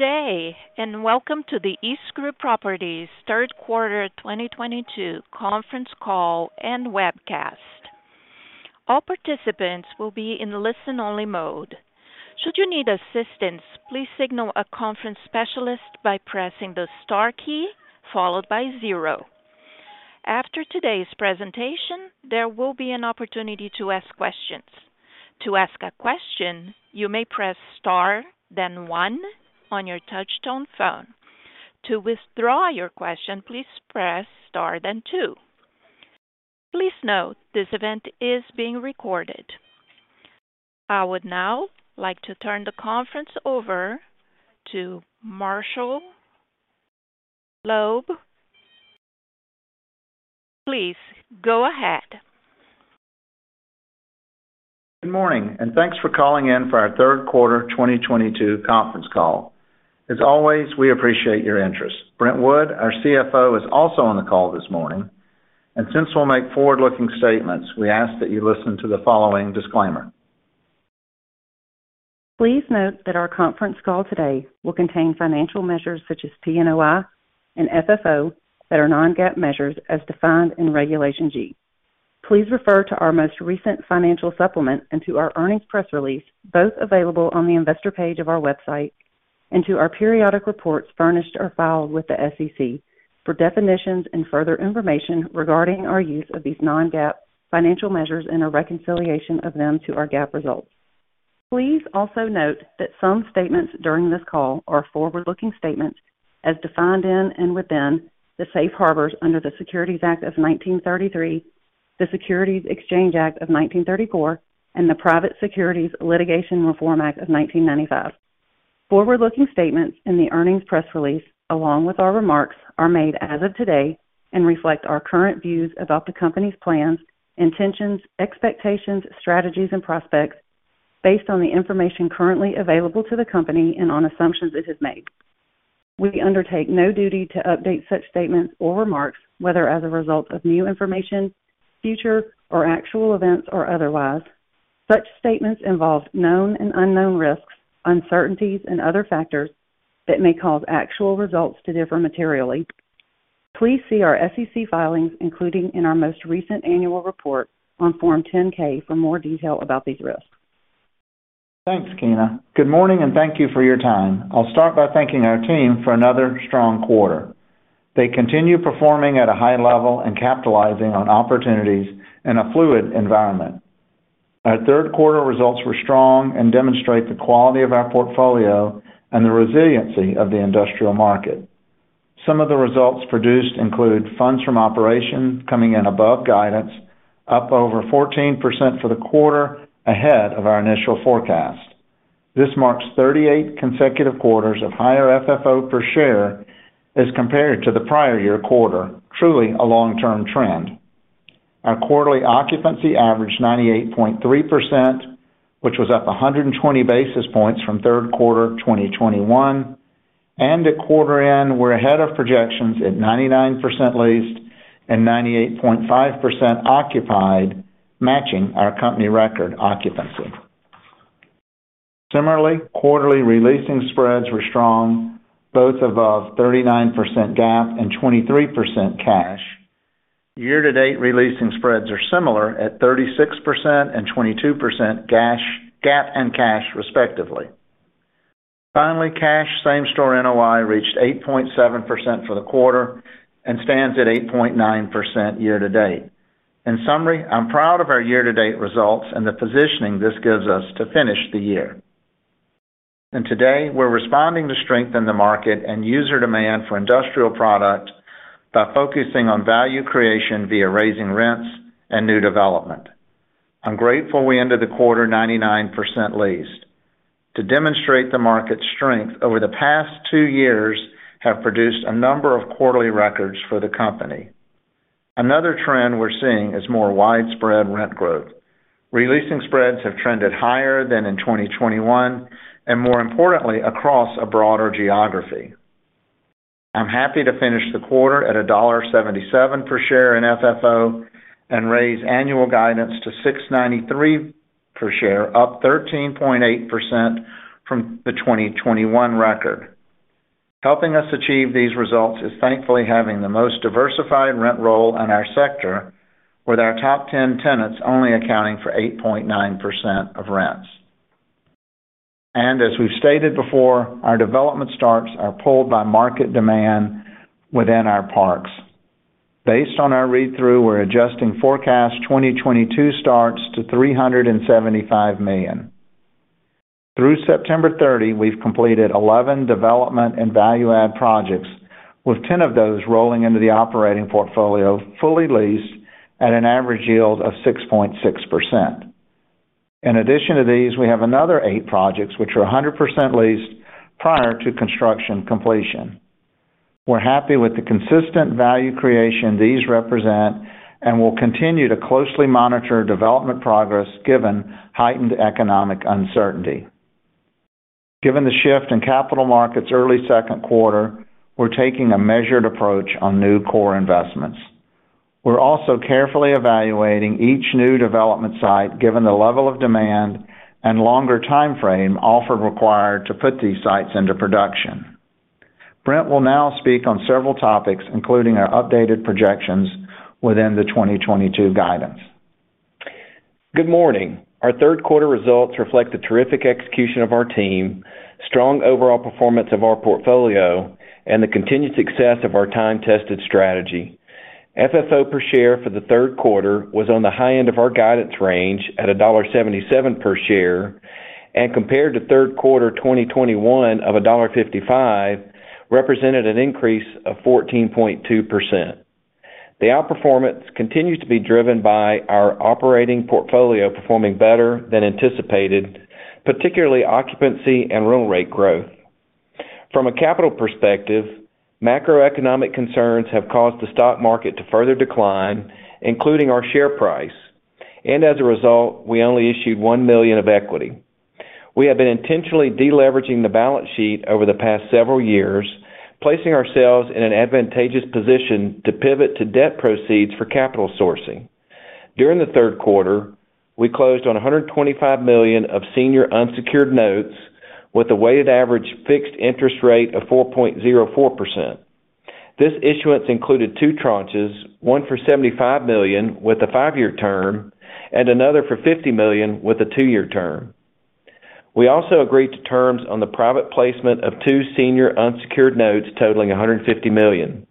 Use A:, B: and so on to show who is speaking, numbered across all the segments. A: Good day, and welcome to the EastGroup Properties Q3 2022 Conference Call and Webcast. All participants will be in listen-only mode. Should you need assistance, please signal a conference specialist by pressing the star key followed by zero. After today's presentation, there will be an opportunity to ask questions. To ask a question, you may press star then one on your touchtone phone. To withdraw your question, please press star then two. Please note, this event is being recorded. I would now like to turn the conference over to Marshall Loeb. Please go ahead.
B: Good morning, and thanks for calling in for our Q3 2022 conference call. As always, we appreciate your interest. Brent Wood, our CFO, is also on the call this morning. Since we'll make forward-looking statements, we ask that you listen to the following disclaimer.
C: Please note that our conference call today will contain financial measures such as PNOI and FFO that are non-GAAP measures as defined in Regulation G. Please refer to our most recent financial supplement and to our earnings press release, both available on the investor page of our website, and to our periodic reports furnished or filed with the SEC for definitions and further information regarding our use of these non-GAAP financial measures and a reconciliation of them to our GAAP results. Please also note that some statements during this call are forward-looking statements as defined in and within the Safe Harbors under the Securities Act of 1933, the Securities Exchange Act of 1934, and the Private Securities Litigation Reform Act of 1995. Forward-looking statements in the earnings press release, along with our remarks, are made as of today and reflect our current views about the company's plans, intentions, expectations, strategies, and prospects based on the information currently available to the company and on assumptions it has made. We undertake no duty to update such statements or remarks, whether as a result of new information, future or actual events, or otherwise. Such statements involve known and unknown risks, uncertainties, and other factors that may cause actual results to differ materially. Please see our SEC filings, including in our most recent annual report on Form 10-K, for more detail about these risks.
B: Thanks, Keena. Good morning, and thank you for your time. I'll start by thanking our team for another strong quarter. They continue performing at a high level and capitalizing on opportunities in a fluid environment. Our Q3 results were strong and demonstrate the quality of our portfolio and the resiliency of the industrial market. Some of the results produced include funds from operations coming in above guidance, up over 14% for the quarter ahead of our initial forecast. This marks 38 consecutive quarters of higher FFO per share as compared to the prior year quarter, truly a long-term trend. Our quarterly occupancy averaged 98.3%, which was up 120 basis points from Q3 2021. At quarter end, we're ahead of projections at 99% leased and 98.5% occupied, matching our company record occupancy. Similarly, quarterly re-leasing spreads were strong, both above 39% GAAP and 23% cash. Year to date re-leasing spreads are similar at 3% and 22% GAAP and cash, respectively. Finally, cash same-store NOI reached 8.7% for the quarter and stands at 8.9% year to date. In summary, I'm proud of our year-to-date results and the positioning this gives us to finish the year. Today, we're responding to strength in the market and user demand for industrial product by focusing on value creation via raising rents and new development. I'm grateful we ended the quarter 99% leased. To demonstrate the market's strength over the past two years have produced a number of quarterly records for the company. Another trend we're seeing is more widespread rent growth. Re-leasing spreads have trended higher than in 2021, and more importantly, across a broader geography. I'm happy to finish the quarter at $1.77 per share in FFO and raise annual guidance to $6.93 per share, up 13.8% from the 2021 record. Helping us achieve these results is thankfully having the most diversified rent roll in our sector, with our top 10 tenants only accounting for 8.9% of rents. As we've stated before, our development starts are pulled by market demand within our parks. Based on our read-through, we're adjusting forecast 2022 starts to $375 million. Through September 30, we've completed 11 development and value add projects, with 10 of those rolling into the operating portfolio, fully leased at an average yield of 6.6%. In addition to these, we have another eight projects which are 100% leased prior to construction completion. We're happy with the consistent value creation these represent, and we'll continue to closely monitor development progress given heightened economic uncertainty. Given the shift in capital markets early Q2, we're taking a measured approach on new core investments. We're also carefully evaluating each new development site given the level of demand and longer timeframe often required to put these sites into production. Brent will now speak on several topics, including our updated projections within the 2022 guidance.
D: Good morning. Our Q3 results reflect the terrific execution of our team, strong overall performance of our portfolio, and the continued success of our time-tested strategy. FFO per share for the Q3 was on the high end of our guidance range at $1.77 per share, and compared to Q3 2021 of $1.55, represented an increase of 14.2%. The outperformance continues to be driven by our operating portfolio performing better than anticipated, particularly occupancy and rent rate growth. From a capital perspective, macroeconomic concerns have caused the stock market to further decline, including our share price. As a result, we only issued $1 million of equity. We have been intentionally de-leveraging the balance sheet over the past several years, placing ourselves in an advantageous position to pivot to debt proceeds for capital sourcing. During the Q3, we closed on $125 million of senior unsecured notes with a weighted average fixed interest rate of 4.04%. This issuance included two tranches, one for $75 million with a five-year term and another for $50 million with a two-year term. We also agreed to terms on the private placement of two senior unsecured notes totaling $150 million.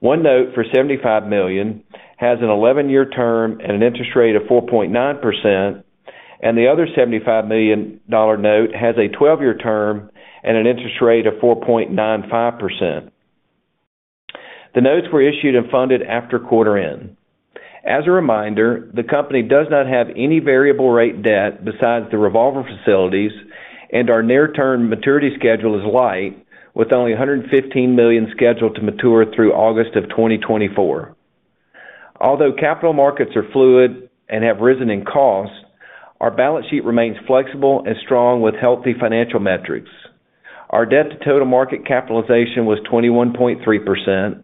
D: One note for $75 million has an 11-year term and an interest rate of 4.9%, and the other $75 million note has a 12-year term and an interest rate of 4.95%. The notes were issued and funded after quarter end. As a reminder, the company does not have any variable rate debt besides the revolver facilities, and our near-term maturity schedule is light, with only $115 million scheduled to mature through August of 2024. Although capital markets are fluid and have risen in cost, our balance sheet remains flexible and strong with healthy financial metrics. Our debt to total market capitalization was 21.3%.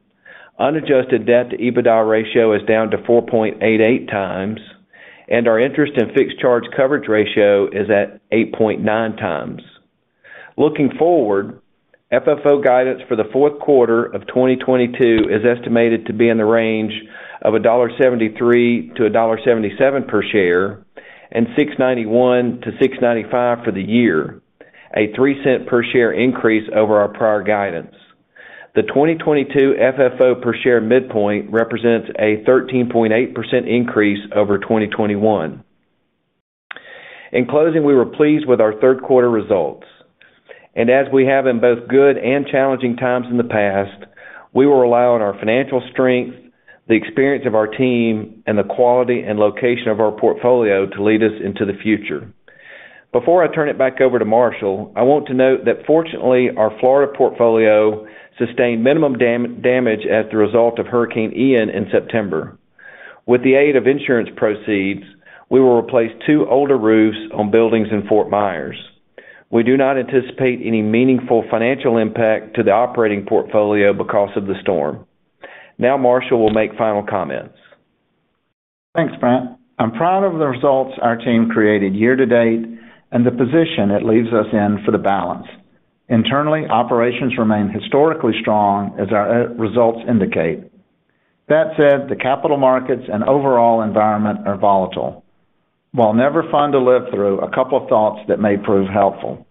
D: Unadjusted debt to EBITDA ratio is down to 4.88x, and our interest and fixed charge coverage ratio is at 8.9x. Looking forward, FFO guidance for the Q4 of 2022 is estimated to be in the range of $1.73-$1.77 per share and $6.91-$6.95 for the year, a 3 cent per share increase over our prior guidance. The 2022 FFO per share midpoint represents a 13.8% increase over 2021. In closing, we were pleased with our Q3 results. As we have in both good and challenging times in the past, we will rely on our financial strength, the experience of our team, and the quality and location of our portfolio to lead us into the future. Before I turn it back over to Marshall, I want to note that fortunately, our Florida portfolio sustained minimum damage as the result of Hurricane Ian in September. With the aid of insurance proceeds, we will replace two older roofs on buildings in Fort Myers. We do not anticipate any meaningful financial impact to the operating portfolio because of the storm. Now Marshall will make final comments.
B: Thanks, Brent. I'm proud of the results our team created year to date and the position it leaves us in for the balance. Internally, operations remain historically strong as our results indicate. That said, the capital markets and overall environment are volatile. While never fun to live through, a couple of thoughts that may prove helpful.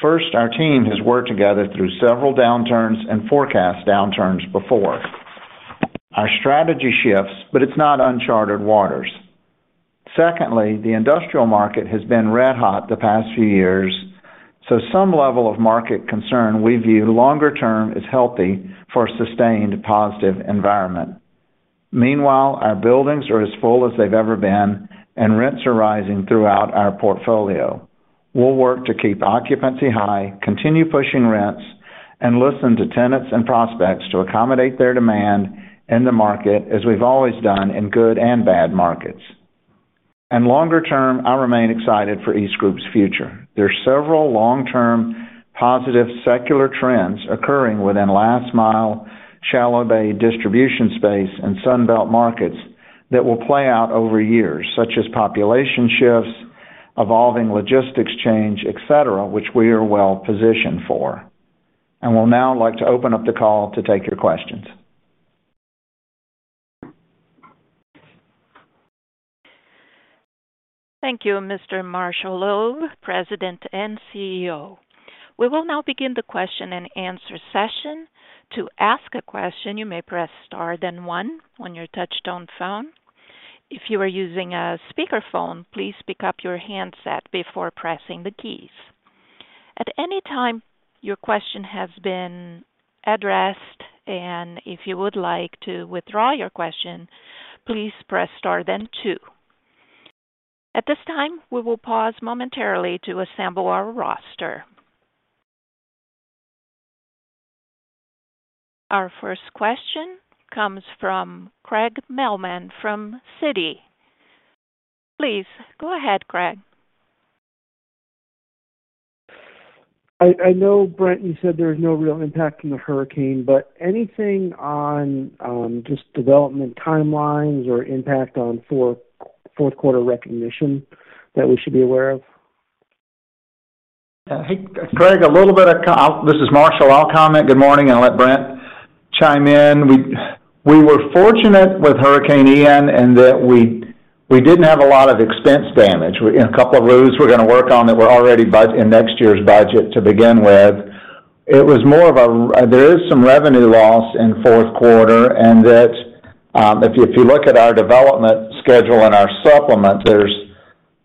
B: First, our team has worked together through several downturns and forecast downturns before. Our strategy shifts, but it's not uncharted waters. Secondly, the industrial market has been red-hot the past few years, so some level of market concern we view longer term is healthy for a sustained positive environment. Meanwhile, our buildings are as full as they've ever been, and rents are rising throughout our portfolio. We'll work to keep occupancy high, continue pushing rents, and listen to tenants and prospects to accommodate their demand in the market as we've always done in good and bad markets. Longer term, I remain excited for EastGroup's future. There are several long-term positive secular trends occurring within last mile, shallow bay distribution space and Sun Belt markets that will play out over years, such as population shifts, evolving logistics change, et cetera, which we are well positioned for. Will now like to open up the call to take your questions.
A: Thank you, Mr. Marshall Loeb, President and CEO. We will now begin the question and answer session. To ask a question, you may press star then one on your touch-tone phone. If you are using a speakerphone, please pick up your handset before pressing the keys. At any time your question has been addressed and if you would like to withdraw your question, please press star then two. At this time, we will pause momentarily to assemble our roster. Our first question comes from Craig Mailman from Citi. Please go ahead, Craig.
E: I know Brent, you said there's no real impact from the hurricane, but anything on just development timelines or impact on Q4 recognition that we should be aware of?
B: Hey, Craig. This is Marshall. I'll comment. Good morning, and I'll let Brent chime in. We were fortunate with Hurricane Ian in that we didn't have a lot of extensive damage. You know, a couple of roofs we're gonna work on that were already budgeted in next year's budget to begin with. It was more of a revenue loss in Q4 and that, if you look at our development schedule and our supplement, there's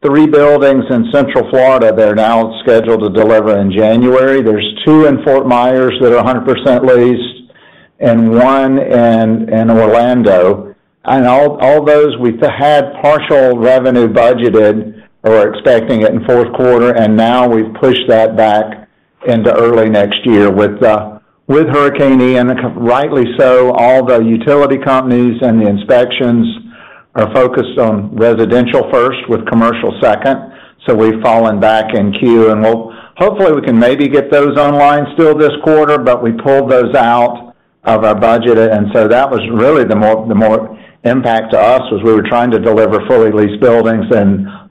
B: three buildings in Central Florida that are now scheduled to deliver in January. There's two in Fort Myers that are 100% leased, and one in Orlando. All those we had partial revenue budgeted or expecting it in Q4, and now we've pushed that back into early next year. With Hurricane Ian, and rightly so, all the utility companies and the inspections are focused on residential first with commercial second. We've fallen back in queue, and hopefully we can maybe get those online still this quarter, but we pulled those out of our budget. That was really the more impact to us, was we were trying to deliver fully leased buildings.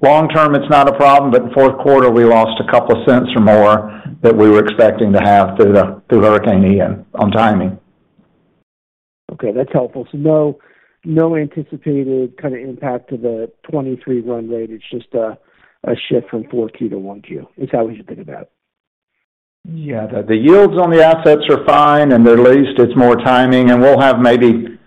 B: Long term, it's not a problem, but Q4 we lost $0.02 or more that we were expecting to have through Hurricane Ian on timing.
E: Okay, that's helpful. No anticipated kind of impact to the 2023 run rate. It's just a shift from 4Q to 1Q, is how we should think about it.
B: Yeah. The yields on the assets are fine and they're leased. It's more timing. We'll have maybe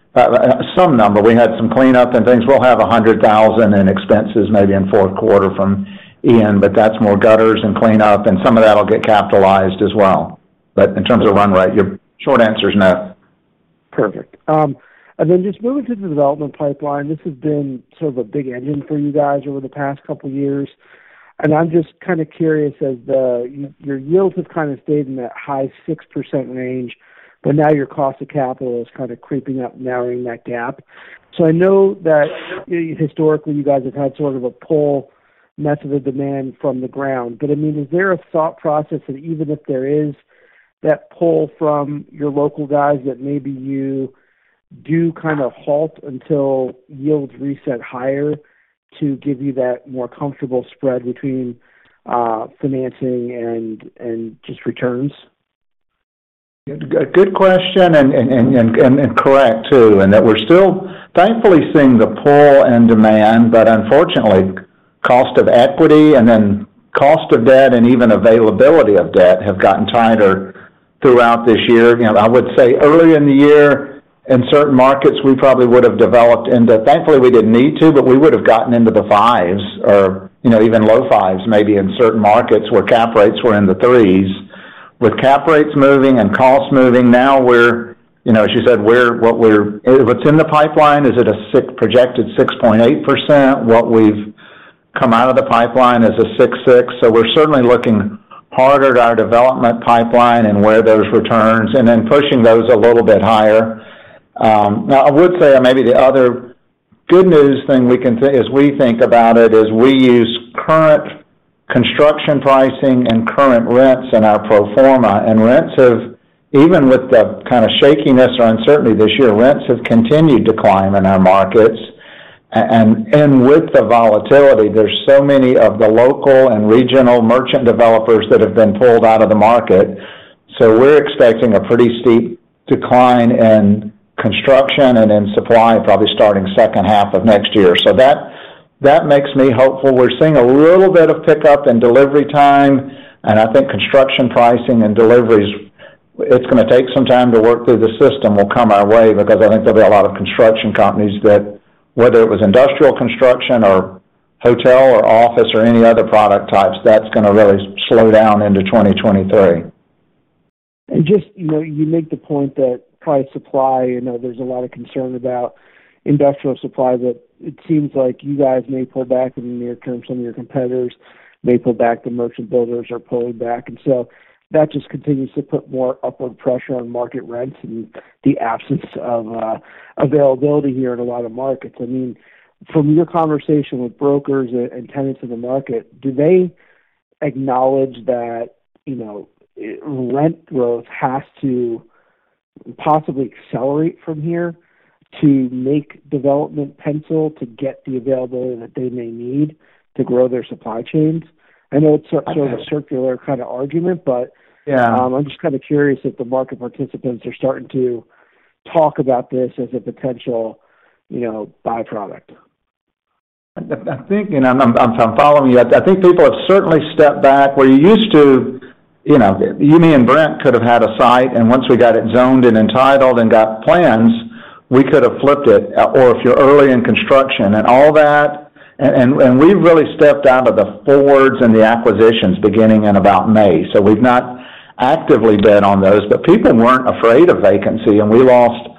B: some number. We had some cleanup and things. We'll have $100,000 in expenses maybe in Q4 from Hurricane Ian, but that's more gutters and cleanup, and some of that will get capitalized as well. In terms of run rate, your short answer is no.
E: Perfect. And then just moving to the development pipeline, this has been sort of a big engine for you guys over the past couple of years, and I'm just kind of curious, your yields have kind of stayed in that high 6% range, but now your cost of capital is kind of creeping up, narrowing that gap. I know that, you know, historically, you guys have had sort of a pull method of demand from the ground. I mean, is there a thought process that even if there is that pull from your local guys, that maybe you do kind of halt until yields reset higher to give you that more comfortable spread between financing and just returns?
B: A good question and correct too, in that we're still thankfully seeing the pull and demand. Unfortunately, cost of equity and then cost of debt and even availability of debt have gotten tighter throughout this year. You know, I would say early in the year, in certain markets, we probably would have developed into. Thankfully, we didn't need to, but we would've gotten into the fives or, you know, even low fives maybe in certain markets where cap rates were in the threes. With cap rates moving and costs moving, now we're. You know, as you said, what's in the pipeline is at a projected 6.8%. What we've come out of the pipeline is a 6.6%. So we're certainly looking harder at our development pipeline and where there's returns, and then pushing those a little bit higher. Now I would say maybe the other good news thing we can, as we think about it, is we use current construction pricing and current rents in our pro forma. Even with the kind of shakiness or uncertainty this year, rents have continued to climb in our markets. With the volatility, there's so many of the local and regional merchant developers that have been pulled out of the market. We're expecting a pretty steep decline in construction and in supply, probably starting second half of next year. That makes me hopeful. We're seeing a little bit of pickup in delivery time, and I think construction pricing and deliveries, it's gonna take some time to work through the system, will come our way because I think there'll be a lot of construction companies that, whether it was industrial construction or hotel or office or any other product types, that's gonna really slow down into 2023.
E: Just, you know, you make the point that price supply, you know, there's a lot of concern about industrial supply that it seems like you guys may pull back in the near term, some of your competitors may pull back, the merchant builders are pulling back. That just continues to put more upward pressure on market rents and the absence of availability here in a lot of markets. I mean, from your conversation with brokers and tenants in the market, do they acknowledge that, you know, rent growth has to possibly accelerate from here to make development pencil to get the availability that they may need to grow their supply chains? I know it's sort of a circular kind of argument.
B: Yeah
E: I'm just kind of curious if the market participants are starting to talk about this as a potential, you know, byproduct.
B: I think and I'm following you. I think people have certainly stepped back. Where you used to, you know, you, me, and Brent could have had a site, and once we got it zoned and entitled and got plans, we could have flipped it or if you're early in construction. We've really stepped out of the forwards and the acquisitions beginning in about May. We've not actively bid on those. People weren't afraid of vacancy, and we lost,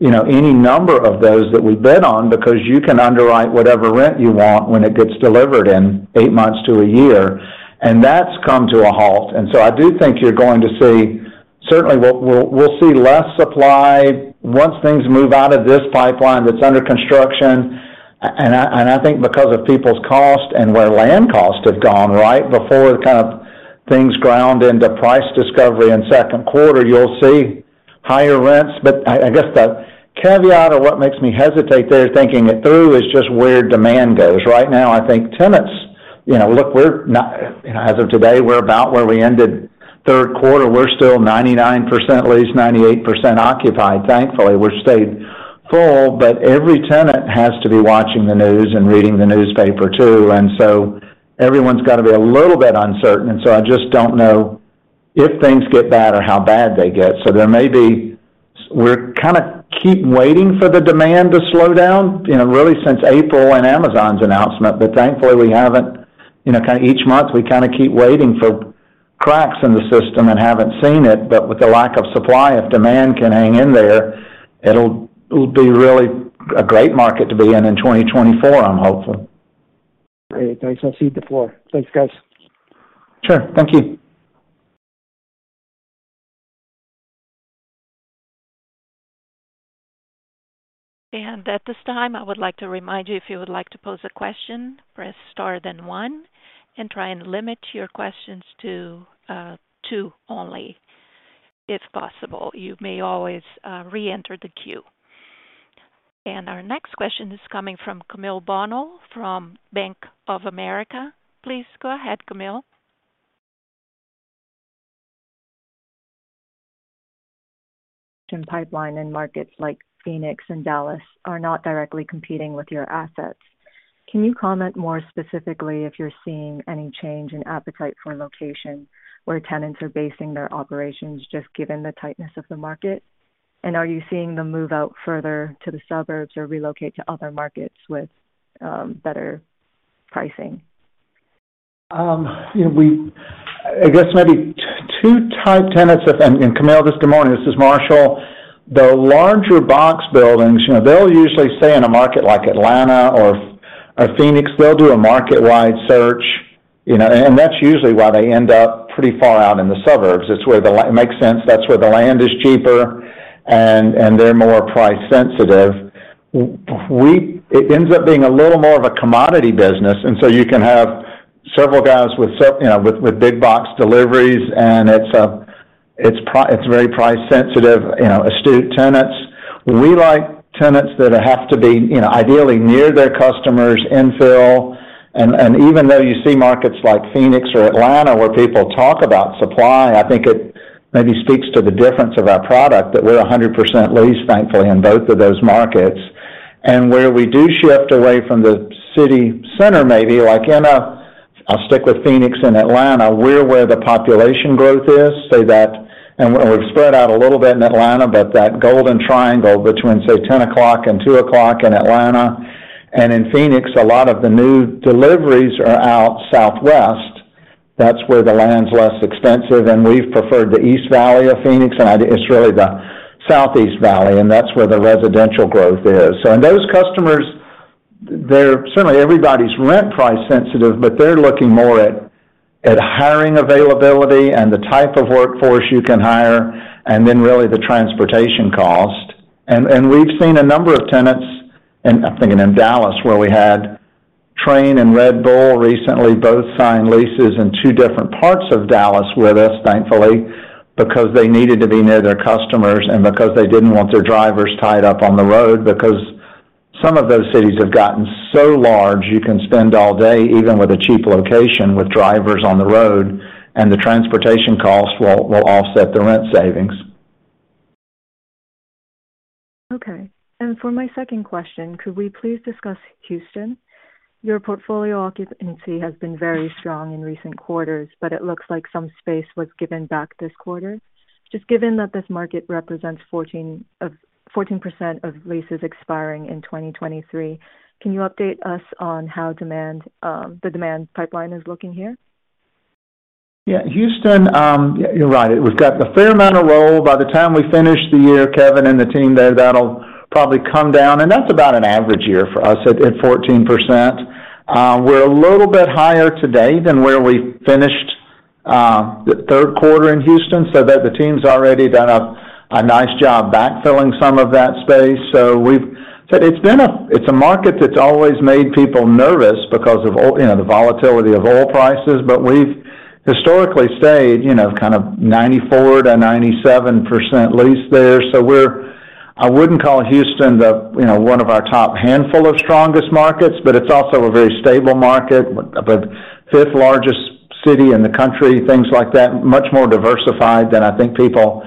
B: you know, any number of those that we bid on because you can underwrite whatever rent you want when it gets delivered in eight months to a year, and that's come to a halt. I do think you're going to see. Certainly, we'll see less supply once things move out of this pipeline that's under construction. I think because of people's cost and where land costs have gone right before kind of things ground into price discovery in Q2, you'll see higher rents. I guess the caveat or what makes me hesitate there thinking it through is just where demand goes. Right now, I think tenants, you know, look, as of today, we're about where we ended Q3. We're still 99% leased, 98% occupied. Thankfully, we've stayed full, but every tenant has to be watching the news and reading the newspaper, too. Everyone's got to be a little bit uncertain, and so I just don't know if things get bad or how bad they get. We're kind of keep waiting for the demand to slow down, you know, really since April and Amazon's announcement. Thankfully, we haven't, you know, kind of each month, we kind of keep waiting for cracks in the system and haven't seen it. With the lack of supply, if demand can hang in there, it'll be really a great market to be in in 2024, I'm hopeful.
E: Great. Thanks. I'll cede the floor. Thanks, guys.
B: Sure. Thank you.
A: At this time, I would like to remind you, if you would like to pose a question, press star then one, and try and limit your questions to two only, if possible. You may always re-enter the queue. Our next question is coming from Camille Bonnel from Bank of America. Please go ahead, Camille.
F: Pipeline in markets like Phoenix and Dallas are not directly competing with your assets. Can you comment more specifically if you're seeing any change in appetite for location where tenants are basing their operations just given the tightness of the market? Are you seeing them move out further to the suburbs or relocate to other markets with better pricing?
B: I guess maybe two type tenants, and Camille, good morning, this is Marshall. The larger box buildings, you know, they'll usually stay in a market like Atlanta or Phoenix. They'll do a market-wide search, you know, and that's usually why they end up pretty far out in the suburbs. It's where it makes sense. That's where the land is cheaper and they're more price sensitive. It ends up being a little more of a commodity business. You can have several guys with, you know, with big box deliveries, and it's very price sensitive, you know, astute tenants. We like tenants that have to be, you know, ideally near their customers infill. Even though you see markets like Phoenix or Atlanta, where people talk about supply, I think it maybe speaks to the difference of our product, that we're 100% leased, thankfully, in both of those markets. Where we do shift away from the city center, maybe like in a, I'll stick with Phoenix and Atlanta, we're where the population growth is, so that, and we've spread out a little bit in Atlanta, but that golden triangle between, say, ten o'clock and two o'clock in Atlanta. In Phoenix, a lot of the new deliveries are out southwest. That's where the land's less expensive. We've preferred the East Valley of Phoenix, and it's really the Southeast Valley, and that's where the residential growth is. Those customers, they're certainly, everybody's rent price sensitive, but they're looking more at hiring availability and the type of workforce you can hire and then really the transportation cost. We've seen a number of tenants in, I'm thinking in Dallas, where we had Trane and Red Bull recently both sign leases in two different parts of Dallas with us, thankfully, because they needed to be near their customers and because they didn't want their drivers tied up on the road because some of those cities have gotten so large you can spend all day, even with a cheap location, with drivers on the road, and the transportation costs will offset the rent savings.
F: Okay. For my second question, could we please discuss Houston? Your portfolio occupancy has been very strong in recent quarters, but it looks like some space was given back this quarter. Just given that this market represents 14% of leases expiring in 2023, can you update us on how demand, the demand pipeline is looking here?
B: Yeah, Houston, you're right. We've got a fair amount of roll. By the time we finish the year, Kevin and the team there, that'll probably come down. That's about an average year for us at 14%. We're a little bit higher today than where we finished the Q3 in Houston, so that the team's already done a nice job backfilling some of that space. It's a market that's always made people nervous because of oil, you know, the volatility of oil prices. We've historically stayed, you know, kind of 94%-97% leased there. I wouldn't call Houston the, you know, one of our top handful of strongest markets, but it's also a very stable market, but fifth largest city in the country, things like that, much more diversified than I think people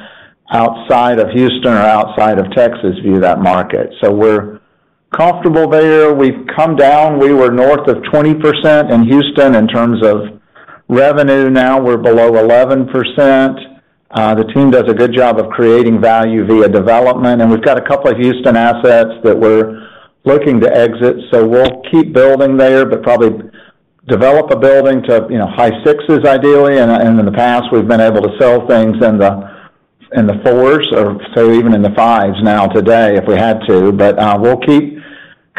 B: outside of Houston or outside of Texas view that market. We're comfortable there. We've come down. We were north of 20% in Houston in terms of revenue. Now we're below 11%. The team does a good job of creating value via development, and we've got a couple of Houston assets that we're looking to exit. We'll keep building there, but probably develop a building to, you know, high sixes, ideally. And in the past, we've been able to sell things in the fours or so even in the fives now today, if we had to. We'll keep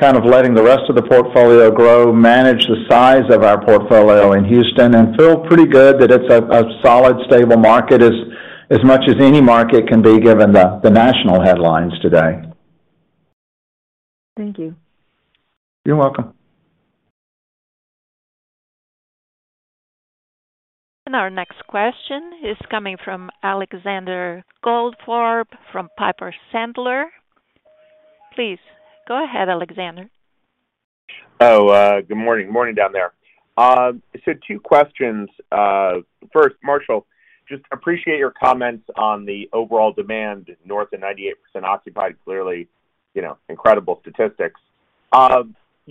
B: kind of letting the rest of the portfolio grow, manage the size of our portfolio in Houston, and feel pretty good that it's a solid, stable market as much as any market can be given the national headlines today.
F: Thank you.
B: You're welcome.
A: Our next question is coming from Alexander Goldfarb from Piper Sandler. Please go ahead, Alexander.
G: Good morning. Good morning down there. So two questions. First, Marshall, just appreciate your comments on the overall demand north of 98% occupied, clearly, you know, incredible statistics. You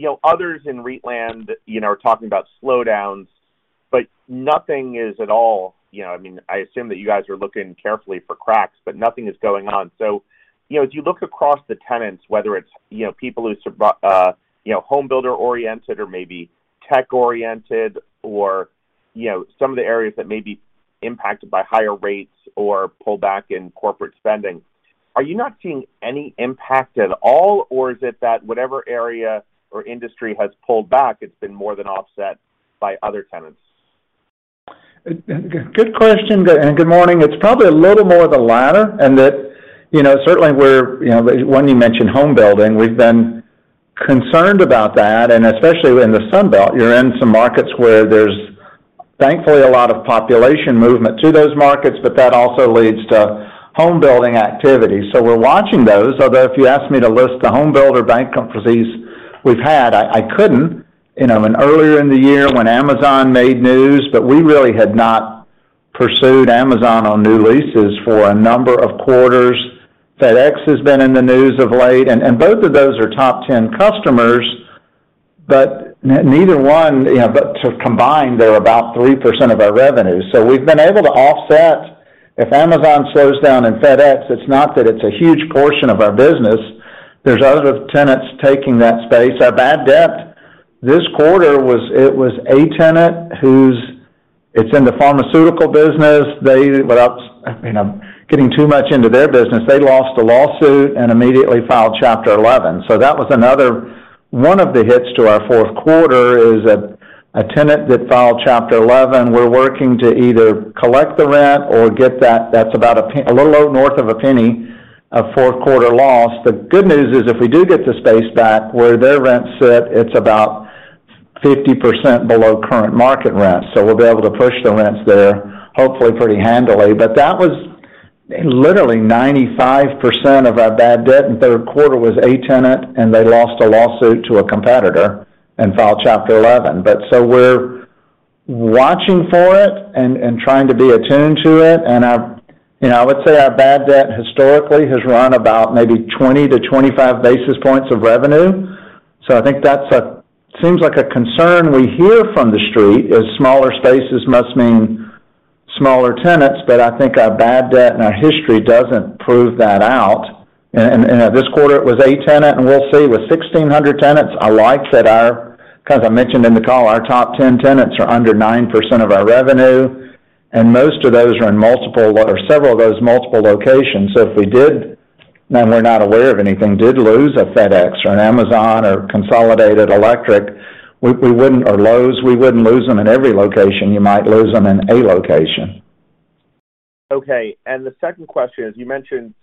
G: know, others in REIT land, you know, are talking about slowdowns, but nothing is at all. You know, I mean, I assume that you guys are looking carefully for cracks, but nothing is going on. You know, as you look across the tenants, whether it's, you know, people who, you know, home builder oriented or maybe tech oriented or, you know, some of the areas that may be impacted by higher rates or pullback in corporate spending, are you not seeing any impact at all? Or is it that whatever area or industry has pulled back, it's been more than offset by other tenants?
B: Good question. Good morning. It's probably a little more of the latter and that, you know, certainly we're, you know, one, you mentioned home building. We've been concerned about that, and especially in the Sun Belt. You're in some markets where there's thankfully a lot of population movement to those markets, but that also leads to home building activity. We're watching those. Although if you ask me to list the homebuilder bankruptcies we've had, I couldn't. You know, when earlier in the year when Amazon made news, but we really had not pursued Amazon on new leases for a number of quarters. FedEx has been in the news of late, and both of those are top ten customers, but neither one, you know, but to combine, they're about 3% of our revenue. We've been able to offset. If Amazon slows down and FedEx, it's not that it's a huge portion of our business. There's other tenants taking that space. Our bad debt this quarter was a tenant who's in the pharmaceutical business. They, without, you know, getting too much into their business, they lost a lawsuit and immediately filed Chapter 11. That was another one of the hits to our Q4 is a tenant that filed Chapter 11. We're working to either collect the rent or get that. That's about a penny, a little north of a penny of Q4 loss. The good news is if we do get the space back where their rent sits, it's about 50% below current market rent, so we'll be able to push the rents there, hopefully, pretty handily. That was literally 95% of our bad debt in Q3 was a tenant, and they lost a lawsuit to a competitor and filed Chapter 11. We're watching for it and trying to be attuned to it. Our you know, I would say our bad debt historically has run about maybe 20-25 basis points of revenue. I think seems like a concern we hear from the Street is smaller spaces must mean smaller tenants. I think our bad debt and our history doesn't prove that out. This quarter it was a tenant, and we'll see. With 1,600 tenants, I like that. 'Cause I mentioned in the call, our top 10 tenants are under 9% of our revenue, and most of those are in multiple or several of those, multiple locations. If we did, and we're not aware of anything, did lose a FedEx or an Amazon or Consolidated Electrical Distributors, we wouldn't or Lowe's, we wouldn't lose them in every location. You might lose them in a location.
G: Okay. The second question is, you mentioned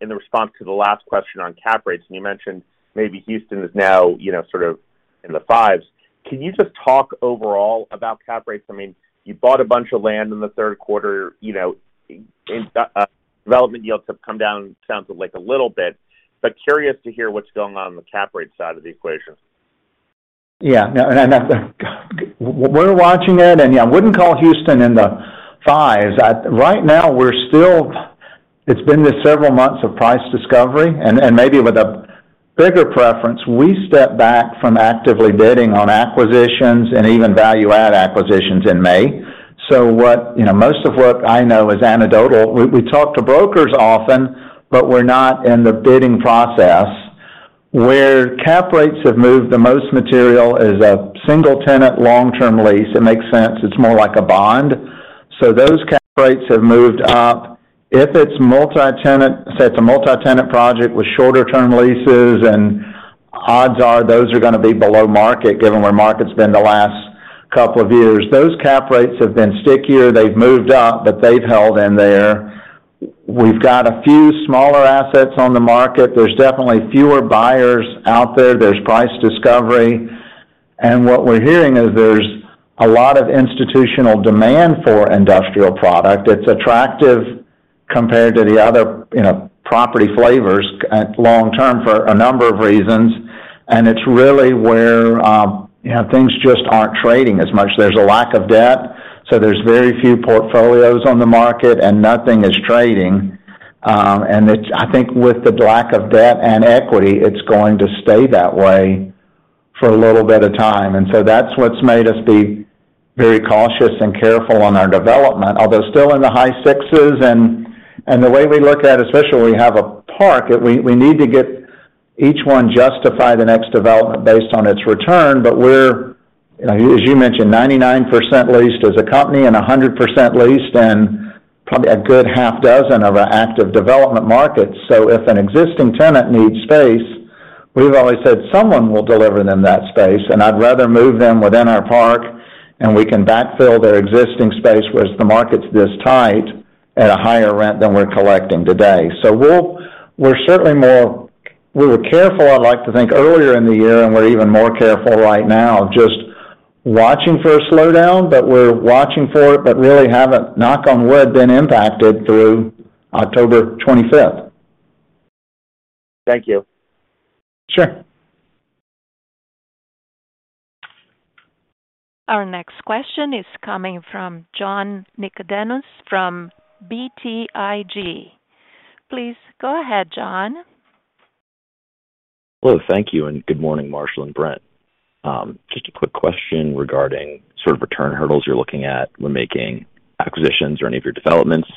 G: in the response to the last question on cap rates, and you mentioned maybe Houston is now, you know, sort of in the fives. Can you just talk overall about cap rates? I mean, you bought a bunch of land in the Q3, you know, in development yields have come down, it sounds like a little bit, but curious to hear what's going on in the cap rate side of the equation.
B: Yeah. No, and we're watching it. I wouldn't call Houston in the fives. Right now we're still. It's been just several months of price discovery and maybe with a bigger preference. We stepped back from actively bidding on acquisitions and even value-add acquisitions in May. What, you know, most of what I know is anecdotal. We talk to brokers often, but we're not in the bidding process. Where cap rates have moved the most material is a single-tenant long-term lease. It makes sense, it's more like a bond. Those cap rates have moved up. If it's multi-tenant, say it's a multi-tenant project with shorter-term leases and odds are those are gonna be below-market given where market's been the last couple of years. Those cap rates have been stickier. They've moved up, but they've held in there. We've got a few smaller assets on the market. There's definitely fewer buyers out there. There's price discovery. What we're hearing is there's a lot of institutional demand for industrial product. It's attractive compared to the other, you know, property flavors at long-term for a number of reasons. It's really where, you know, things just aren't trading as much. There's a lack of debt, so there's very few portfolios on the market and nothing is trading. I think with the lack of debt and equity, it's going to stay that way for a little bit of time. That's what's made us be very cautious and careful on our development. Although still in the high sixes and the way we look at, especially when we have a park, we need to get each one justify the next development based on its return. We're, you know, as you mentioned, 99% leased as a company and 100% leased and probably a good half dozen of our active development markets. If an existing tenant needs space, we've always said someone will deliver them that space, and I'd rather move them within our park, and we can backfill their existing space, whereas the market's this tight at a higher rent than we're collecting today. We were careful, I'd like to think, earlier in the year, and we're even more careful right now, just watching for a slowdown, but we're watching for it, but really haven't, knock on wood, been impacted through October 25.
G: Thank you.
B: Sure.
A: Our next question is coming from John Nickodemus from BTIG. Please go ahead, John.
H: Hello. Thank you, and good morning, Marshall and Brent. Just a quick question regarding sort of return hurdles you're looking at when making acquisitions or any of your developments.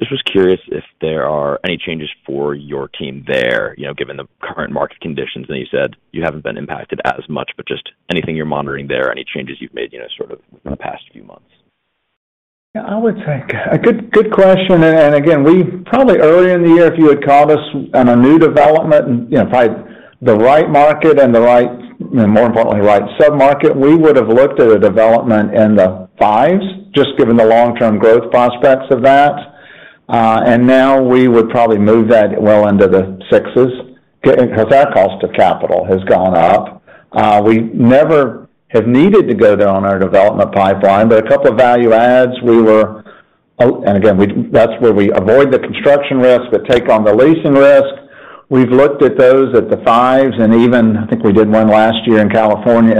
H: Just was curious if there are any changes for your team there, you know, given the current market conditions, and you said you haven't been impacted as much, but just anything you're monitoring there, any changes you've made, you know, sort of in the past few months.
B: Yeah, I would say a good question, and again, we probably earlier in the year, if you had called us on a new development and, you know, probably the right market and the right, you know, more importantly, right sub-market, we would have looked at a development in the fives, just given the long-term growth prospects of that. Now we would probably move that well into the sixes because our cost of capital has gone up. We never have needed to go there on our development pipeline, but a couple of value adds, that's where we avoid the construction risk but take on the leasing risk. We've looked at those at the fives and even, I think we did one last year in California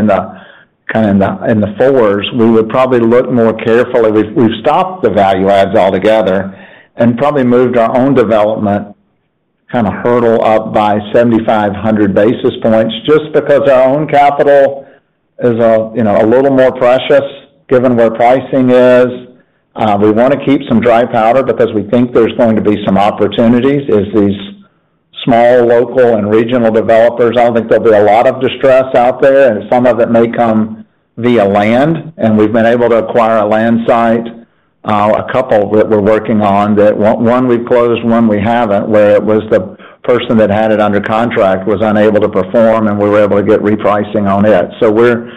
B: kind of in the fours. We would probably look more carefully. We've stopped the value adds altogether and probably moved our own development kind of hurdle up by 75-100 basis points just because our own capital is, you know, a little more precious given where pricing is. We wanna keep some dry powder because we think there's going to be some opportunities as these small, local and regional developers. I don't think there'll be a lot of distress out there, and some of it may come via land, and we've been able to acquire a land site. A couple that we're working on: one we've closed, one we haven't, where it was the person that had it under contract was unable to perform, and we were able to get repricing on it. We're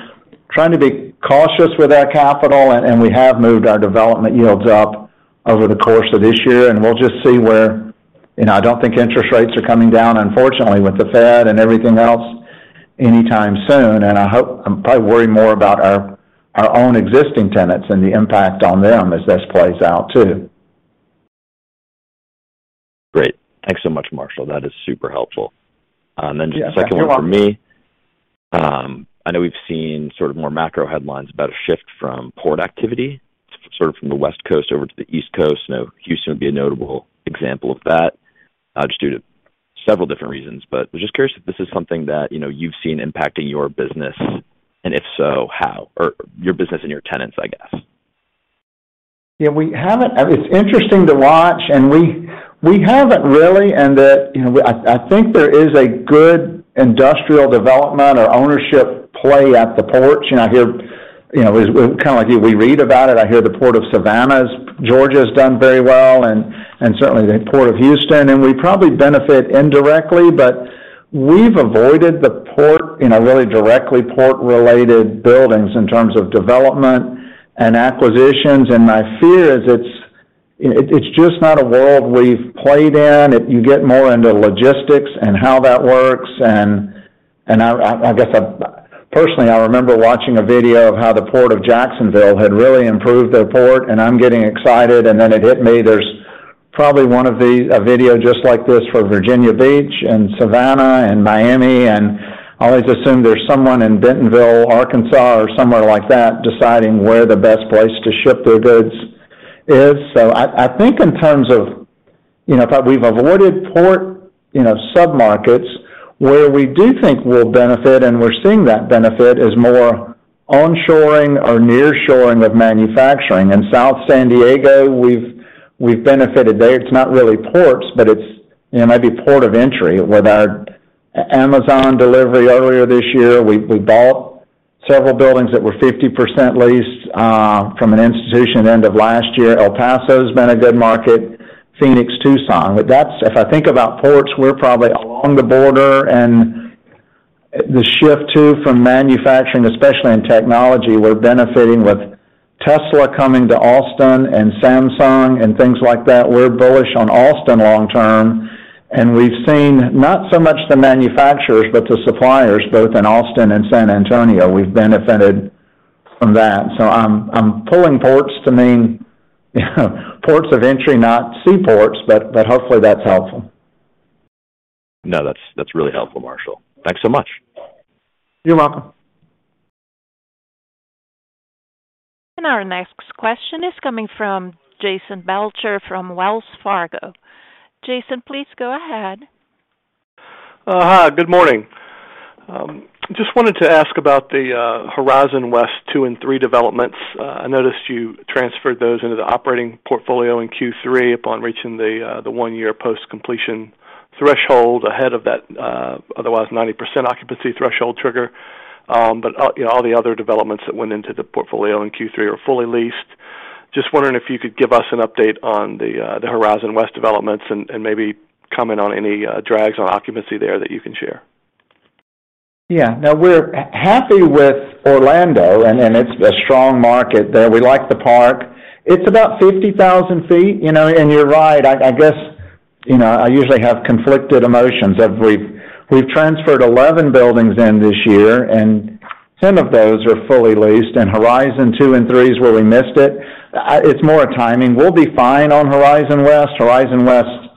B: trying to be cautious with our capital, and we have moved our development yields up over the course of this year. We'll just see where, you know, I don't think interest rates are coming down, unfortunately, with the Fed and everything else anytime soon. I'm probably worried more about our own existing tenants and the impact on them as this plays out too.
H: Great. Thanks so much, Marshall. That is super helpful. Just the second one from me.
B: Yeah. You're welcome.
H: I know we've seen sort of more macro headlines about a shift from port activity, sort of from the West Coast over to the East Coast. You know, Houston would be a notable example of that, just due to several different reasons. I'm just curious if this is something that, you know, you've seen impacting your business, and if so, how? Or your business and your tenants, I guess.
B: Yeah. It's interesting to watch, and we haven't really. You know, I think there is a good industrial development or ownership play at the ports. You know, I hear, you know, kind of like you, we read about it. I hear the Port of Savannah, Georgia's done very well and certainly the Port of Houston. We probably benefit indirectly, but we've avoided the port, you know, really directly port-related buildings in terms of development and acquisitions. My fear is it's just not a world we've played in. You get more into logistics and how that works. I guess personally I remember watching a video of how the Port of Jacksonville had really improved their port, and I'm getting excited, and then it hit me. There's probably a video just like this for Virginia Beach and Savannah and Miami. I always assume there's someone in Bentonville, Arkansas, or somewhere like that deciding where the best place to ship their goods is. I think in terms of, you know, if we've avoided port, you know, sub-markets. Where we do think we'll benefit, and we're seeing that benefit, is more onshoring or nearshoring of manufacturing. In South San Diego, we've benefited there. It's not really ports, but it's, you know, maybe port of entry. With our Amazon delivery earlier this year, we bought several buildings that were 50% leased from an institution end of last year. El Paso's been a good market. Phoenix, Tucson. If I think about ports, we're probably along the border. The shift too from manufacturing, especially in technology, we're benefiting with Tesla coming to Austin and Samsung and things like that. We're bullish on Austin long-term, and we've seen not so much the manufacturers, but the suppliers both in Austin and San Antonio. We've benefited from that. I'm calling ports to mean, you know, ports of entry, not seaports. Hopefully that's helpful.
H: No, that's really helpful, Marshall. Thanks so much.
B: You're welcome.
A: Our next question is coming from Jason Belcher from Wells Fargo. Jason, please go ahead.
I: Hi, good morning. Just wanted to ask about the Horizon West 2 and 3 developments. I noticed you transferred those into the operating portfolio in Q3 upon reaching the one-year post-completion threshold ahead of that otherwise 90% occupancy threshold trigger. You know, all the other developments that went into the portfolio in Q3 are fully leased. Just wondering if you could give us an update on the Horizon West developments and maybe comment on any drags on occupancy there that you can share.
B: Yeah. No, we're happy with Orlando, and it's a strong market there. We like the park. It's about 50,000 sq ft, you know, and you're right. I guess, you know, I usually have conflicted emotions. We've transferred 11 buildings this year, and 10 of those are fully leased, and Horizon 2 and 3 is where we missed it. It's more timing. We'll be fine on Horizon West. Horizon West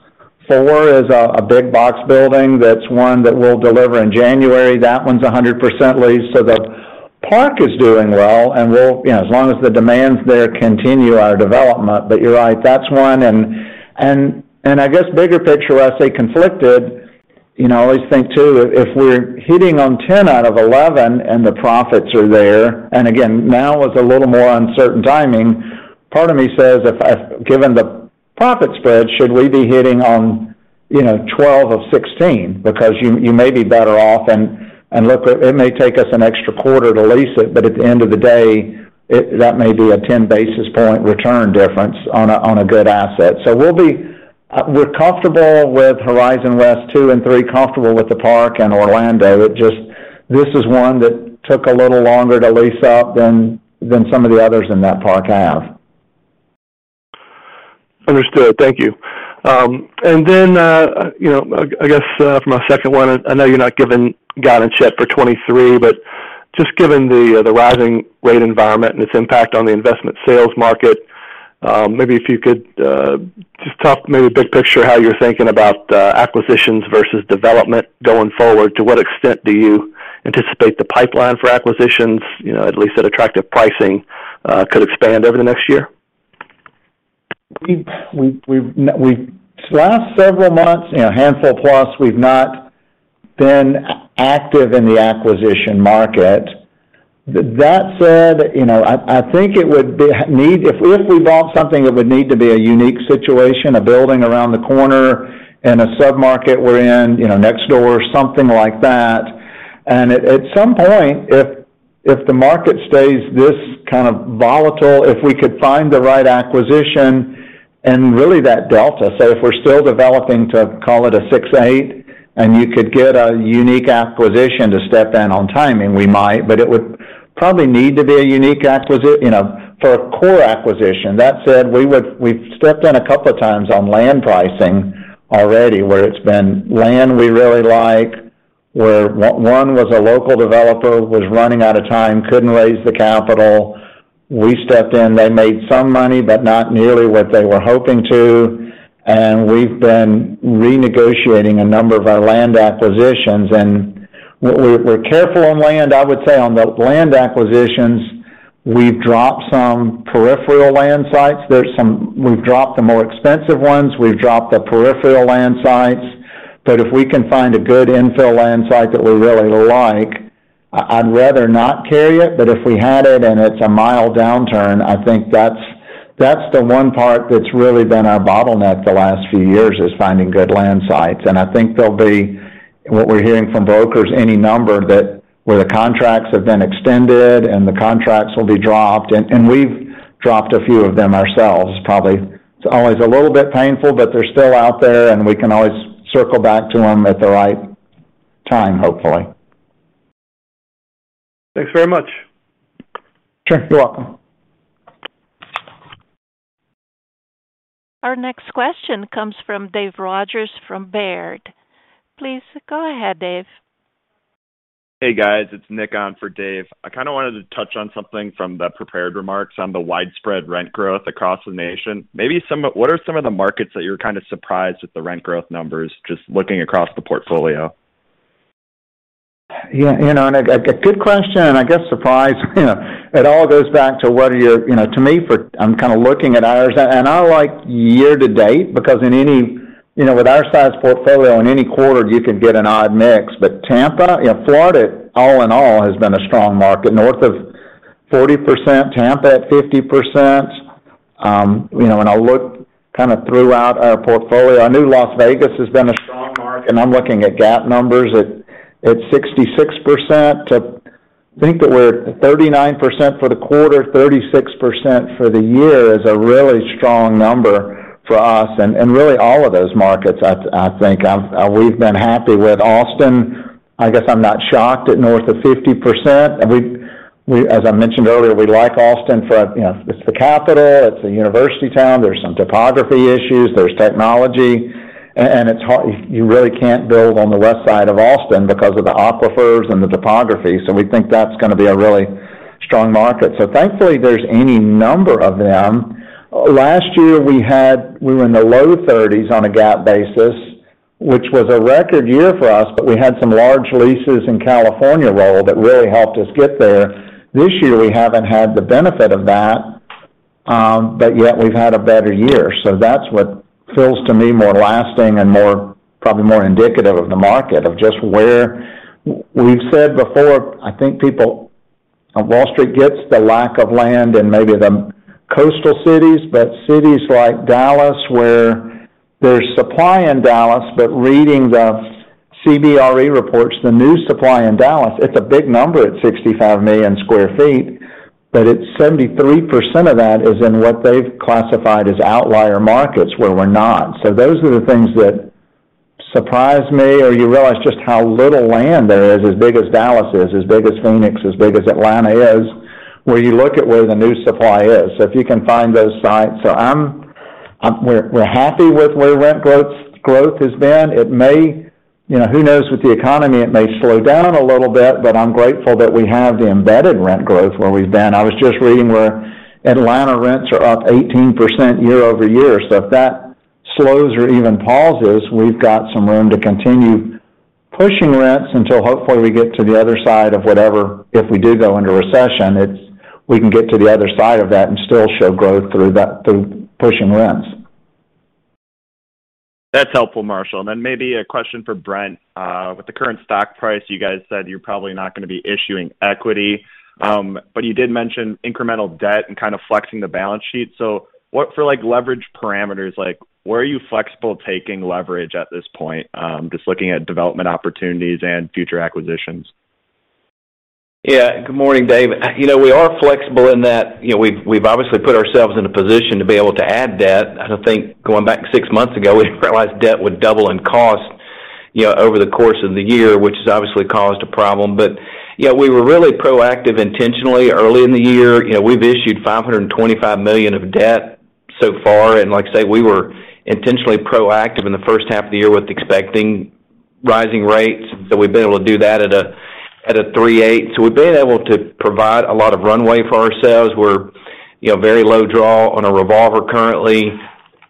B: 4 is a big box building. That's one that we'll deliver in January. That one's 100% leased. So the park is doing well, and we'll, you know, continue our development as long as the demand there continues. You're right. That's one, and I guess bigger picture, I say conflicted. You know, I always think too, if we're hitting on 10 out of 11 and the profits are there, and again, now with a little more uncertain timing, part of me says, if, given the profit spread, should we be hitting on, you know, 12 of 16? Because you may be better off and look, it may take us an extra quarter to lease it, but at the end of the day, it, that may be a 10 basis point return difference on a good asset. So we'll be. We're comfortable with Horizon West 2 and 3, comfortable with the park in Orlando. It just, this is one that took a little longer to lease up than some of the others in that park have.
I: Understood. Thank you. You know, I guess, for my second one, I know you're not giving guidance yet for 2023, but just given the rising rate environment and its impact on the investment sales market, maybe if you could, just talk maybe big picture, how you're thinking about, acquisitions versus development going forward. To what extent do you anticipate the pipeline for acquisitions, you know, at least at attractive pricing, could expand over the next year?
B: Last several months, you know, handful plus, we've not been active in the acquisition market. That said, you know, I think it would be. If we bought something, it would need to be a unique situation, a building around the corner in a submarket we're in, you know, next door or something like that. At some point, if the market stays this kind of volatile, if we could find the right acquisition and really that delta. If we're still developing to call it a 6.8, and you could get a unique acquisition to step in on timing, we might. It would probably need to be a unique acquisition, you know, for a core acquisition. That said, we've stepped in a couple of times on land pricing already, where it's been land we really like, where one was a local developer, was running out of time, couldn't raise the capital. We stepped in. They made some money, but not nearly what they were hoping to. We've been renegotiating a number of our land acquisitions. We're careful on land. I would say on the land acquisitions, we've dropped some peripheral land sites. We've dropped the more expensive ones. We've dropped the peripheral land sites. If we can find a good infill land site that we really like, I'd rather not carry it. If we had it and it's a mild downturn, I think that's the one part that's really been our bottleneck the last few years, is finding good land sites. I think there'll be, what we're hearing from brokers, any number that where the contracts have been extended and the contracts will be dropped. We've dropped a few of them ourselves, probably. It's always a little bit painful, but they're still out there, and we can always circle back to them at the right time, hopefully.
I: Thanks very much.
B: Sure. You're welcome.
A: Our next question comes from David Rodgers from Baird. Please go ahead, Dave.
J: Hey, guys. It's Nick on for Dave. I kind of wanted to touch on something from the prepared remarks on the widespread rent growth across the nation. Maybe what are some of the markets that you're kind of surprised with the rent growth numbers, just looking across the portfolio?
B: Yeah. You know, a good question, and I guess surprise, you know, it all goes back to what are your. You know, to me, I'm kind of looking at ours, and I like year to date, because in any, you know, with our size portfolio, in any quarter, you could get an odd mix. Tampa, you know, Florida all in all, has been a strong market, north of 40%, Tampa at 50%. You know, I look kind of throughout our portfolio. I know Las Vegas has been a strong market, and I'm looking at GAAP numbers at 66% to. I think that we're at 39% for the quarter, 36% for the year is a really strong number for us. Really all of those markets, I think we've been happy with. Austin, I guess I'm not shocked at north of 50%. We, as I mentioned earlier, we like Austin for, you know, it's the capital, it's a university town, there's some topography issues, there's technology, and it's hard. You really can't build on the west side of Austin because of the aquifers and the topography. We think that's gonna be a really strong market. Thankfully there's any number of them. Last year we were in the low 30s on a GAAP basis, which was a record year for us, but we had some large leases in California roll that really helped us get there. This year we haven't had the benefit of that, but yet we've had a better year. That's what feels to me more lasting and more, probably more indicative of the market, of just where. We've said before, I think people on Wall Street gets the lack of land in maybe the coastal cities, but cities like Dallas where there's supply in Dallas, but reading the CBRE reports the new supply in Dallas, it's a big number at 65 million sq ft, but it's 73% of that is in what they've classified as outlier markets where we're not. Those are the things that surprise me, or you realize just how little land there is, as big as Dallas is, as big as Phoenix, as big as Atlanta is, where you look at where the new supply is. If you can find those sites. We're happy with where rent growth has been. It may. You know, who knows with the economy, it may slow down a little bit, but I'm grateful that we have the embedded rent growth where we've been. I was just reading where Atlanta rents are up 18% year-over-year. If that slows or even pauses, we've got some room to continue pushing rents until hopefully we get to the other side of whatever. If we do go into recession, it's. We can get to the other side of that and still show growth through that, through pushing rents.
J: That's helpful, Marshall. Maybe a question for Brent. With the current stock price, you guys said you're probably not gonna be issuing equity, but you did mention incremental debt and kind of flexing the balance sheet. For, like, leverage parameters, like, where are you flexible taking leverage at this point? Just looking at development opportunities and future acquisitions.
D: Yeah. Good morning, Dave. You know, we are flexible in that, you know, we've obviously put ourselves in a position to be able to add debt. I don't think going back six months ago, we didn't realize debt would double in cost, you know, over the course of the year, which has obviously caused a problem. Yeah, we were really proactive intentionally early in the year. You know, we've issued $525 million of debt so far. Like I say, we were intentionally proactive in the first half of the year with expecting rising rates. We've been able to do that at a 3.8. We've been able to provide a lot of runway for ourselves. We're, you know, very low draw on a revolver currently.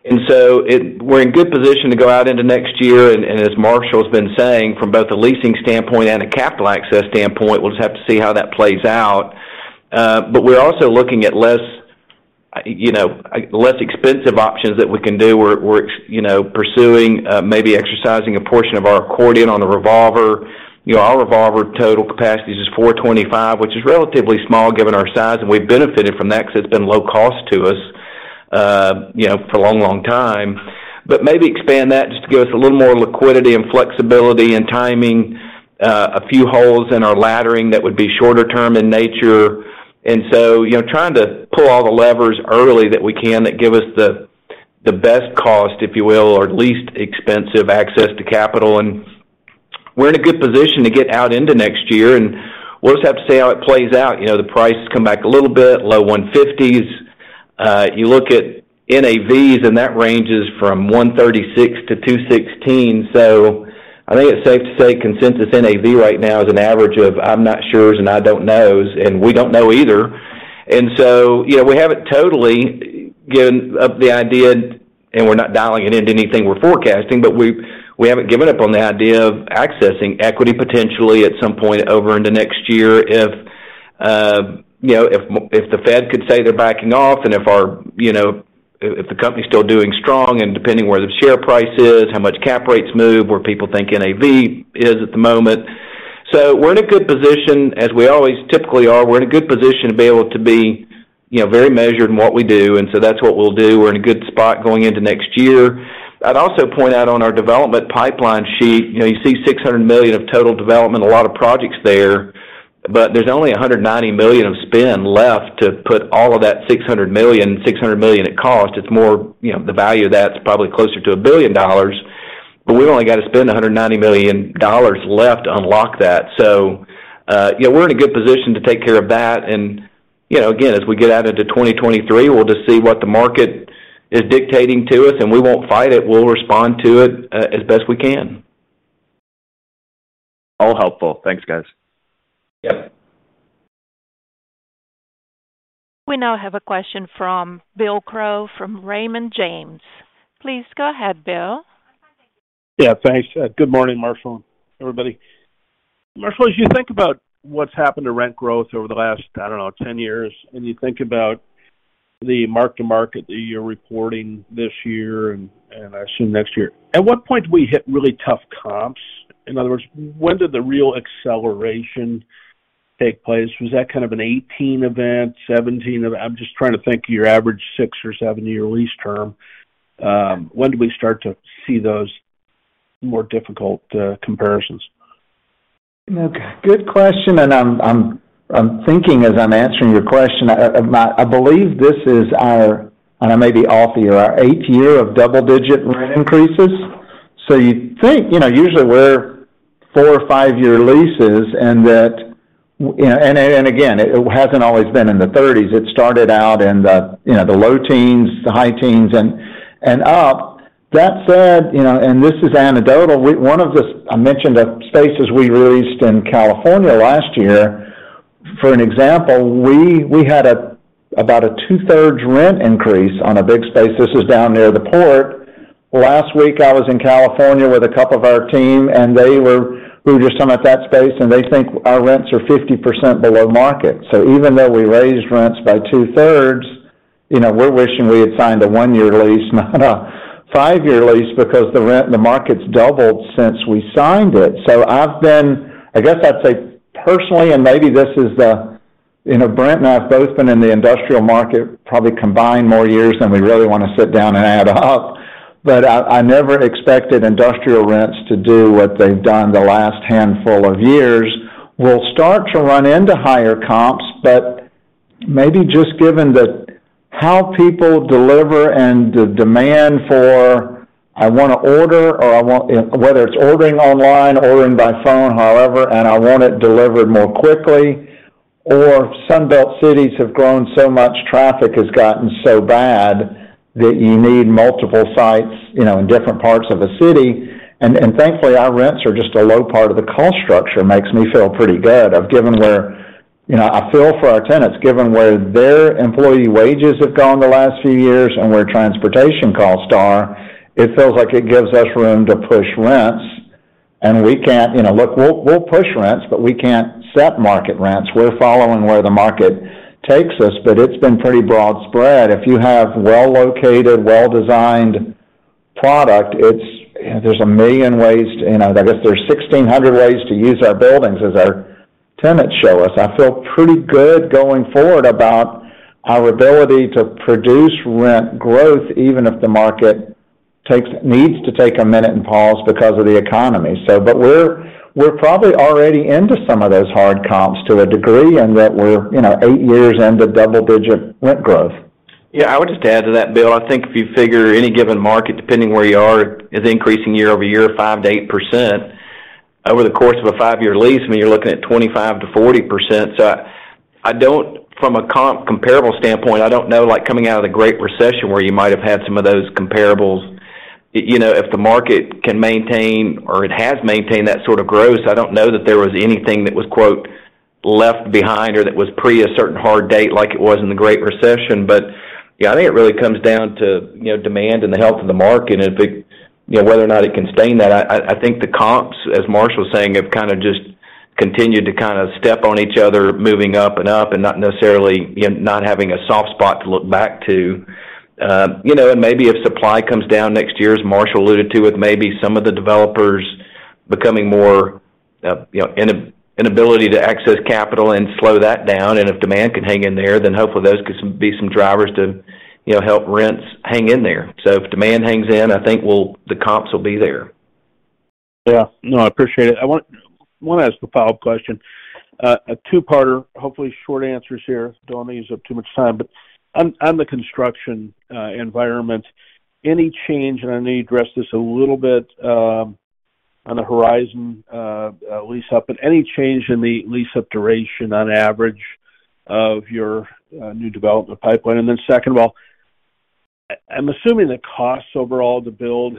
D: We're in good position to go out into next year. As Marshall's been saying, from both a leasing standpoint and a capital access standpoint, we'll just have to see how that plays out. We're also looking at less expensive options that we can do. We're pursuing maybe exercising a portion of our accordion on the revolver. You know, our revolver total capacity is just $425, which is relatively small given our size, and we've benefited from that 'cause it's been low cost to us for a long, long time. Maybe expand that just to give us a little more liquidity and flexibility and timing, a few holes in our laddering that would be shorter term in nature. You know, trying to pull all the levers early that we can that give us the best cost, if you will, or least expensive access to capital. We're in a good position to get out into next year, and we'll just have to see how it plays out. You know, the price has come back a little bit, low 150s. You look at NAVs, and that ranges from 136-216. I think it's safe to say consensus NAV right now is an average of I'm not sures and I don't knows, and we don't know either. You know, we haven't totally given up the idea, and we're not dialing it into anything we're forecasting, but we haven't given up on the idea of accessing equity potentially at some point over into next year if you know, if the Fed could say they're backing off and if you know, if the company's still doing strong and depending where the share price is, how much cap rates move, where people think NAV is at the moment. We're in a good position, as we always typically are. We're in a good position to be able to be you know, very measured in what we do, and that's what we'll do. We're in a good spot going into next year. I'd also point out on our development pipeline sheet, you know, you see $600 million of total development, a lot of projects there, but there's only $190 million of spend left to put all of that $600 million, $600 million it cost. It's more, you know, the value of that's probably closer to $1 billion, but we've only got to spend $190 million left to unlock that. Yeah, we're in a good position to take care of that. You know, again, as we get out into 2023, we'll just see what the market is dictating to us, and we won't fight it. We'll respond to it, as best we can.
J: All helpful. Thanks, guys.
D: Yep.
A: We now have a question from Bill Crow from Raymond James. Please go ahead, Bill.
K: Yeah, thanks. Good morning, Marshall, everybody. Marshall, as you think about what's happened to rent growth over the last, I don't know, 10 years, and you think about the mark-to-market that you're reporting this year and I assume next year, at what point do we hit really tough comps? In other words, when did the real acceleration take place? Was that kind of a 2018 event, 2017 event? I'm just trying to think of your average six or seven-year lease term. When do we start to see those more difficult comparisons?
B: Good question, and I'm thinking as I'm answering your question. I believe this is our, and I may be off here, our eighth year of double-digit rent increases. You think, you know, usually we're four- or five-year leases and that, and again, it hasn't always been in the thirties. It started out in the, you know, the low teens, the high teens and up. That said, you know, and this is anecdotal, one of the spaces I mentioned we re-leased in California last year. For an example, we had about a two-thirds rent increase on a big space. This is down near the port. Last week, I was in California with a couple of our team and we were just talking about that space, and they think our rents are 50% below market. Even though we raised rents by two-thirds, you know, we're wishing we had signed a one-year lease, not a five-year lease, because the rent, the market's doubled since we signed it. I guess I'd say personally, and maybe this is the. You know, Brent and I have both been in the industrial market probably combined more years than we really wanna sit down and add up, but I never expected industrial rents to do what they've done the last handful of years. We'll start to run into higher comps, but maybe just given the how people deliver and the demand for I wanna order or I want. Whether it's ordering online, ordering by phone, however, and I want it delivered more quickly, or Sunbelt cities have grown so much, traffic has gotten so bad that you need multiple sites, you know, in different parts of the city. Thankfully, our rents are just a low part of the cost structure, makes me feel pretty good of given where. You know, I feel for our tenants, given where their employee wages have gone the last few years and where transportation costs are, it feels like it gives us room to push rents. We can't, you know. Look, we'll push rents, but we can't set market rents. We're following where the market takes us, but it's been pretty broad spread. If you have well-located, well-designed product, it's, there's a million ways to. You know, I guess there's 1,600 ways to use our buildings as our tenants show us. I feel pretty good going forward about our ability to produce rent growth, even if the market needs to take a minute and pause because of the economy. We're probably already into some of those hard comps to a degree, and that we're, you know, eight years into double-digit rent growth.
D: Yeah. I would just add to that, Bill. I think if you figure any given market, depending where you are, is increasing year-over-year, 5%-8%. Over the course of a five-year lease, I mean, you're looking at 25%-40%. From a comparable standpoint, I don't know, like coming out of the Great Recession where you might have had some of those comparables. You know, if the market can maintain or it has maintained that sort of growth, so I don't know that there was anything that was, quote, "left behind" or that was pre a certain hard date like it was in the Great Recession. Yeah, I think it really comes down to, you know, demand and the health of the market. If it, you know, whether or not it can sustain that, I think the comps, as Marshall was saying, have kind of just continued to kind of step on each other, moving up and up and not necessarily, you know, not having a soft spot to look back to. You know, maybe if supply comes down next year, as Marshall alluded to, with maybe some of the developers becoming more, you know, unable to access capital and slow that down. If demand can hang in there, then hopefully those could be some drivers to, you know, help rents hang in there. If demand hangs in, I think the comps will be there.
K: Yeah. No, I appreciate it. I want to ask a follow-up question. A two-parter, hopefully short answers here. Don't want to use up too much time. On the construction environment, any change, and I know you addressed this a little bit, on the Horizon lease-up, but any change in the lease-up duration on average of your new development pipeline? Second of all, I'm assuming the costs overall to build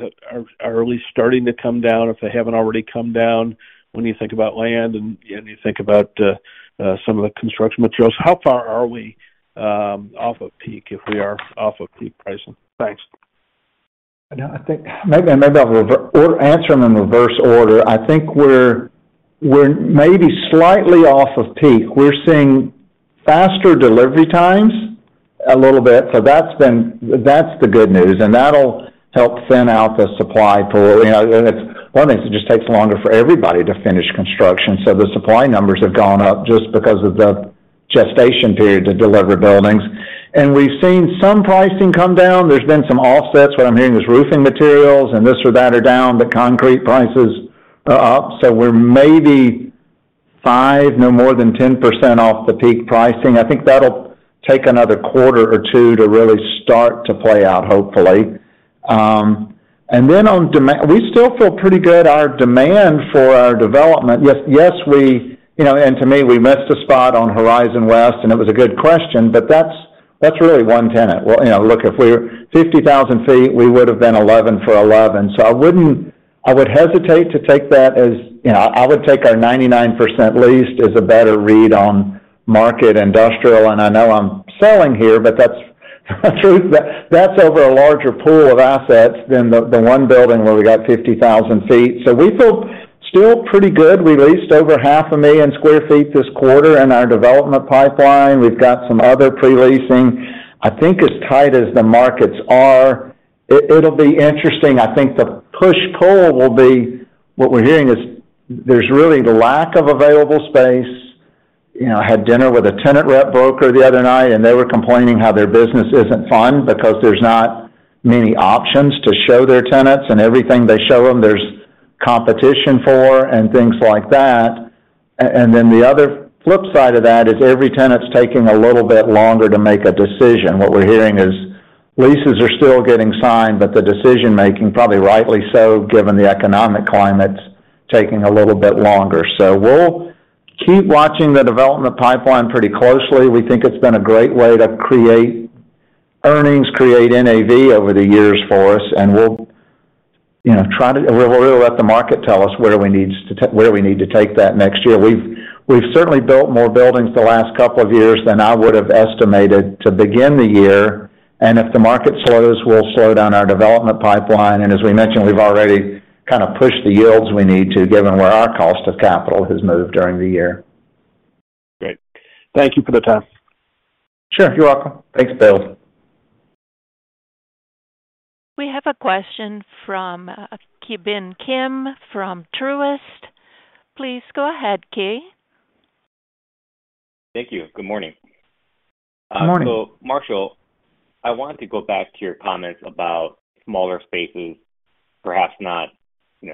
K: are at least starting to come down, if they haven't already come down, when you think about land and, you know, when you think about some of the construction materials. How far are we off of peak, if we are off of peak pricing? Thanks.
B: I think maybe I'll answer them in reverse order. I think we're maybe slightly off of peak. We're seeing faster delivery times a little bit. That's the good news, and that'll help thin out the supply pool. You know, it's one of the things. It just takes longer for everybody to finish construction. The supply numbers have gone up just because of the gestation period to deliver buildings. We've seen some pricing come down. There's been some offsets. What I'm hearing is roofing materials and this or that are down, but concrete prices are up. We're maybe 5%, no more than 10% off the peak pricing. I think that'll take another quarter or two to really start to play out, hopefully. Then on demand we still feel pretty good. Our demand for our development... Yes, we, you know. To me, we missed a spot on Horizon West, and it was a good question, but that's really one tenant. Well, you know, look, if we were 50,000 sq ft, we would have been eleven for eleven. I wouldn't. I would hesitate to take that. You know, I would take our 99% leased as a better read on market industrial. I know I'm selling here, but that's the truth. That's over a larger pool of assets than the one building where we got 50,000 sq ft. We feel still pretty good. We leased over 500,000 sq ft this quarter in our development pipeline. We've got some other pre-leasing. I think as tight as the markets are, it'll be interesting. I think the push-pull will be. What we're hearing is there's really the lack of available space. You know, I had dinner with a tenant rep broker the other night, and they were complaining how their business isn't fun because there's not many options to show their tenants, and everything they show them, there's competition for and things like that. And then the other flip side of that is every tenant's taking a little bit longer to make a decision. What we're hearing is leases are still getting signed, but the decision-making, probably rightly so, given the economic climate, is taking a little bit longer. We'll keep watching the development pipeline pretty closely. We think it's been a great way to create earnings, create NAV over the years for us, and we'll, you know, try to. We'll let the market tell us where we need to take that next year. We've certainly built more buildings the last couple of years than I would've estimated to begin the year. If the market slows, we'll slow down our development pipeline. As we mentioned, we've already kind of pushed the yields we need to, given where our cost of capital has moved during the year.
K: Great. Thank you for the time.
B: Sure. You're welcome.
D: Thanks, Bill.
A: We have a question from Ki Bin Kim from Truist. Please go ahead, Ki.
L: Thank you. Good morning.
B: Good morning.
L: Marshall, I want to go back to your comments about smaller spaces perhaps not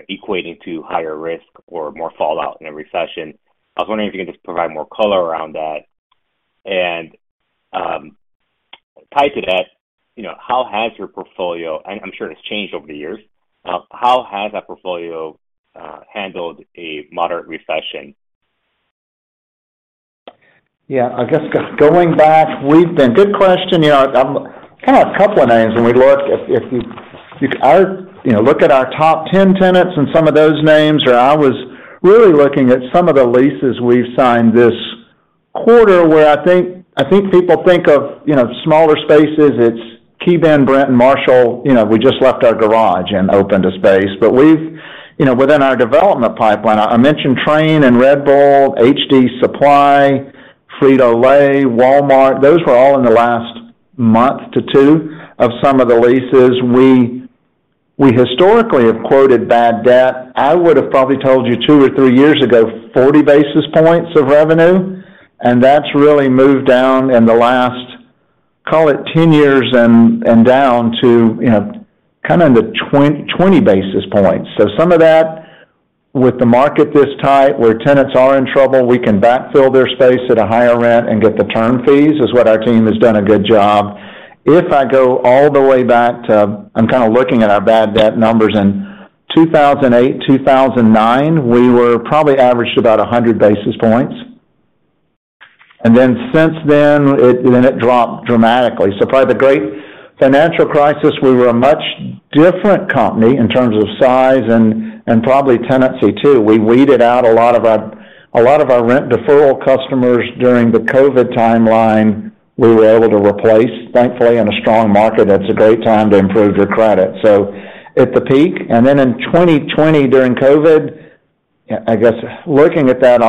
L: equating to higher risk or more fallout in a recession. I was wondering if you could just provide more color around that. Tied to that, I'm sure it's changed over the years. How has that portfolio handled a moderate recession?
B: Yeah, I guess going back, we've been. Good question. You know, I'm kind of a couple of names when we look if you look at our top ten tenants and some of those names. I was really looking at some of the leases we've signed this quarter, where I think people think of, you know, smaller spaces. It's KeyBank, Brenton and Marshall. You know, we just left our garage and opened a space. We've, you know, within our development pipeline, I mentioned Trane and Red Bull, HD Supply, Frito-Lay, Walmart. Those were all in the last month to two of some of the leases. We historically have quoted bad debt. I would've probably told you two or three years ago, 40 basis points of revenue, and that's really moved down in the last, call it, 10 years and down to, you know, kind of in the 20 basis points. Some of that, with the market this tight where tenants are in trouble, we can backfill their space at a higher rent and get the term fees, is what our team has done a good job. If I go all the way back to. I'm kind of looking at our bad debt numbers. In 2008, 2009, we were probably averaged about 100 basis points. Then since then, it dropped dramatically. Probably the Great Financial Crisis, we were a much different company in terms of size and probably tenancy too. We weeded out a lot of our rent deferral customers during the COVID timeline. We were able to replace, thankfully, in a strong market. That's a great time to improve your credit. At the peak, and then in 2020 during COVID, I guess looking at that,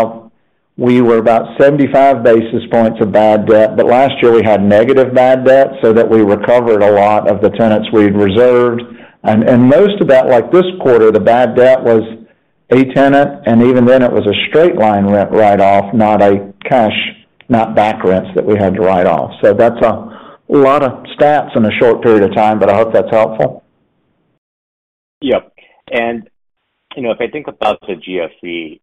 B: we were about 75 basis points of bad debt. Last year, we had negative bad debt, so that we recovered a lot of the tenants we'd reserved. Most of that, like this quarter, the bad debt was a tenant, and even then it was a straight line rent write-off, not a cash, not back rents that we had to write off. That's a lot of stats in a short period of time, but I hope that's helpful.
L: Yep. You know, if I think about the GFC,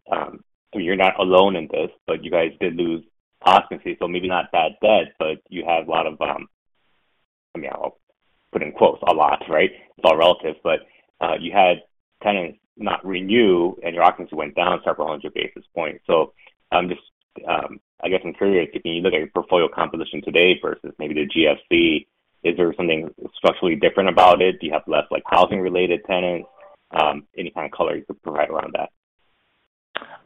L: so you're not alone in this, but you guys did lose occupancy, so maybe not bad debt, but you had a lot of, I mean, I'll put in quotes, a lot, right? It's all relative. You had tenants not renew, and your occupancy went down several hundred basis points. I'm just, I guess I'm curious, if you look at your portfolio composition today versus maybe the GFC, is there something structurally different about it? Do you have less, like, housing related tenants? Any kind of color you could provide around that.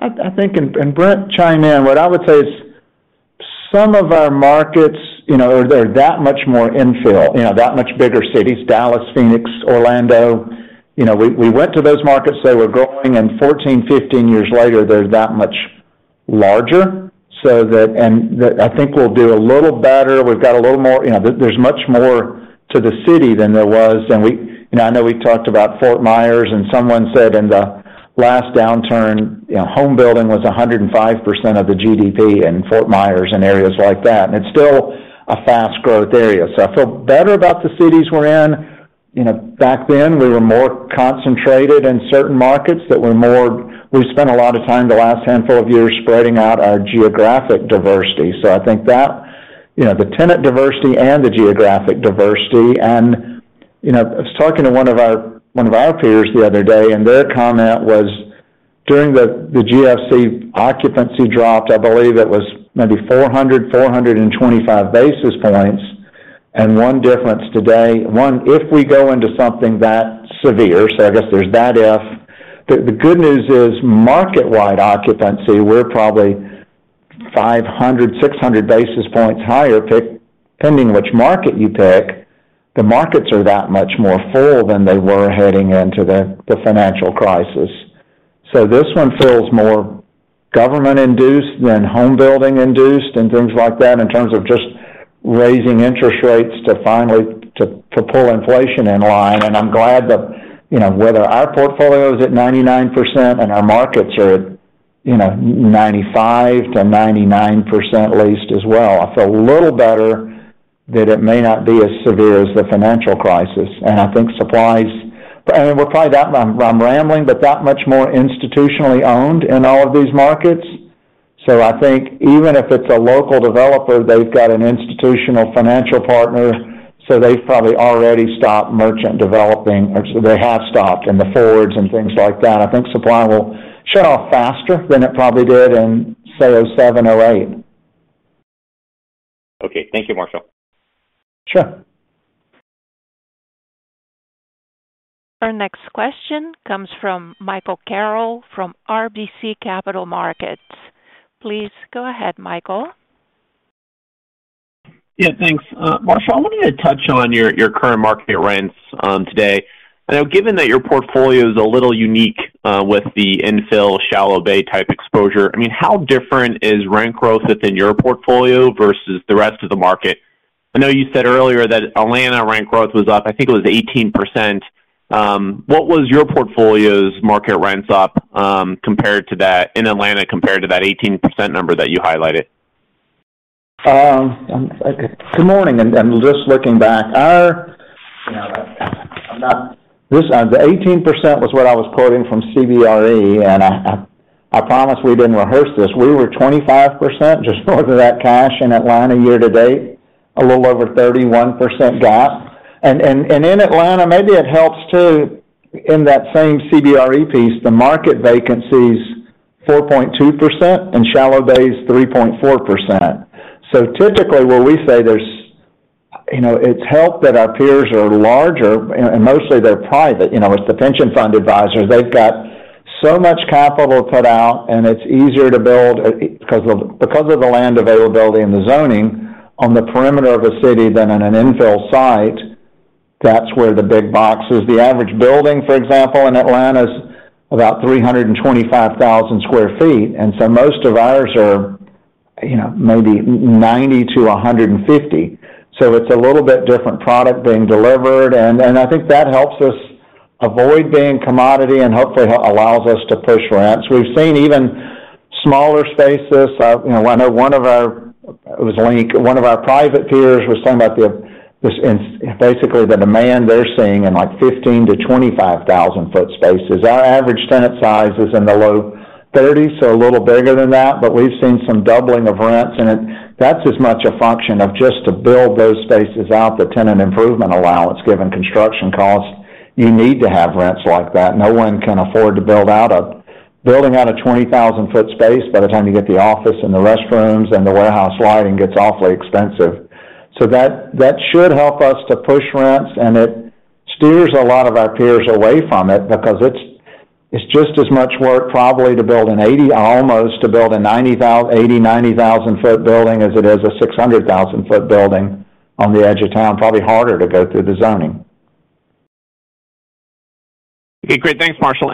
B: I think, and Brent chime in, what I would say is some of our markets, you know, they're that much more infill, you know, that much bigger cities, Dallas, Phoenix, Orlando. You know, we went to those markets, they were growing, and 14, 15 years later, they're that much larger. I think we'll do a little better. We've got a little more. You know, there's much more to the city than there was. I know we talked about Fort Myers, and someone said in the last downturn, you know, home building was 105% of the GDP in Fort Myers and areas like that, and it's still a fast growth area. I feel better about the cities we're in. You know, back then, we were more concentrated in certain markets that were more. We've spent a lot of time the last handful of years spreading out our geographic diversity. I think that, you know, the tenant diversity and the geographic diversity. You know, I was talking to one of our peers the other day, and their comment was, during the GFC occupancy dropped, I believe it was maybe 425 basis points. One difference today, if we go into something that severe, I guess there's that. The good news is market-wide occupancy, we're probably 500, 600 basis points higher, depending which market you pick. The markets are that much more full than they were heading into the financial crisis. This one feels more government induced than home building induced and things like that in terms of just raising interest rates to finally pull inflation in line. I'm glad that, you know, whether our portfolio is at 99% and our markets are at, you know, 95%-99% leased as well. I feel a little better that it may not be as severe as the financial crisis. I'm rambling, but that much more institutionally owned in all of these markets. I think even if it's a local developer, they've got an institutional financial partner, so they've probably already stopped merchant developing. They have stopped in the forwards and things like that. I think supply will shut off faster than it probably did in, say, 2007, 2008.
L: Okay. Thank you, Marshall.
B: Sure.
A: Our next question comes from Michael Carroll from RBC Capital Markets. Please go ahead, Michael.
M: Yeah, thanks. Marshall, I want you to touch on your current market rents today. I know given that your portfolio is a little unique with the infill shallow bay type exposure. I mean, how different is rent growth within your portfolio versus the rest of the market? I know you said earlier that Atlanta rent growth was up, I think it was 18%. What was your portfolio's market rents up, compared to that in Atlanta compared to that 18% number that you highlighted?
B: Good morning. I'm just looking back. The 18% was what I was quoting from CBRE, and I promise we didn't rehearse this. We were 25% just north of that cash in Atlanta year to date, a little over 31% GAAP. In Atlanta, maybe it helps too in that same CBRE piece, the market vacancy is 4.2% and shallow bay is 3.4%. Typically, where we say there's, you know, it's helped that our peers are larger and mostly they're private. You know, as the pension fund advisors, they've got so much capital to put out, and it's easier to build because of the land availability and the zoning on the perimeter of a city than on an infill site. That's where the big box is. The average building, for example, in Atlanta is about 325,000 sq ft, and most of ours are, you know, maybe 90-150. It's a little bit different product being delivered, and I think that helps us avoid being commodity and hopefully allows us to push rents. We've seen even smaller spaces. You know, I know one of our private peers, Link, was talking about basically the demand they're seeing in like 15,000-25,000 sq ft spaces. Our average tenant size is in the low 30s, so a little bigger than that, but we've seen some doubling of rents. That's as much a function of just to build those spaces out, the tenant improvement allowance. Given construction costs, you need to have rents like that. No one can afford to build out a 20,000 sq ft space by the time you get the office and the restrooms and the warehouse lighting gets awfully expensive. That should help us to push rents, and it steers a lot of our peers away from it because it's just as much work probably to build an 80,000-90,000 sq ft building as it is a 600,000 sq ft building on the edge of town. It's probably harder to go through the zoning.
M: Okay, great. Thanks, Marshall.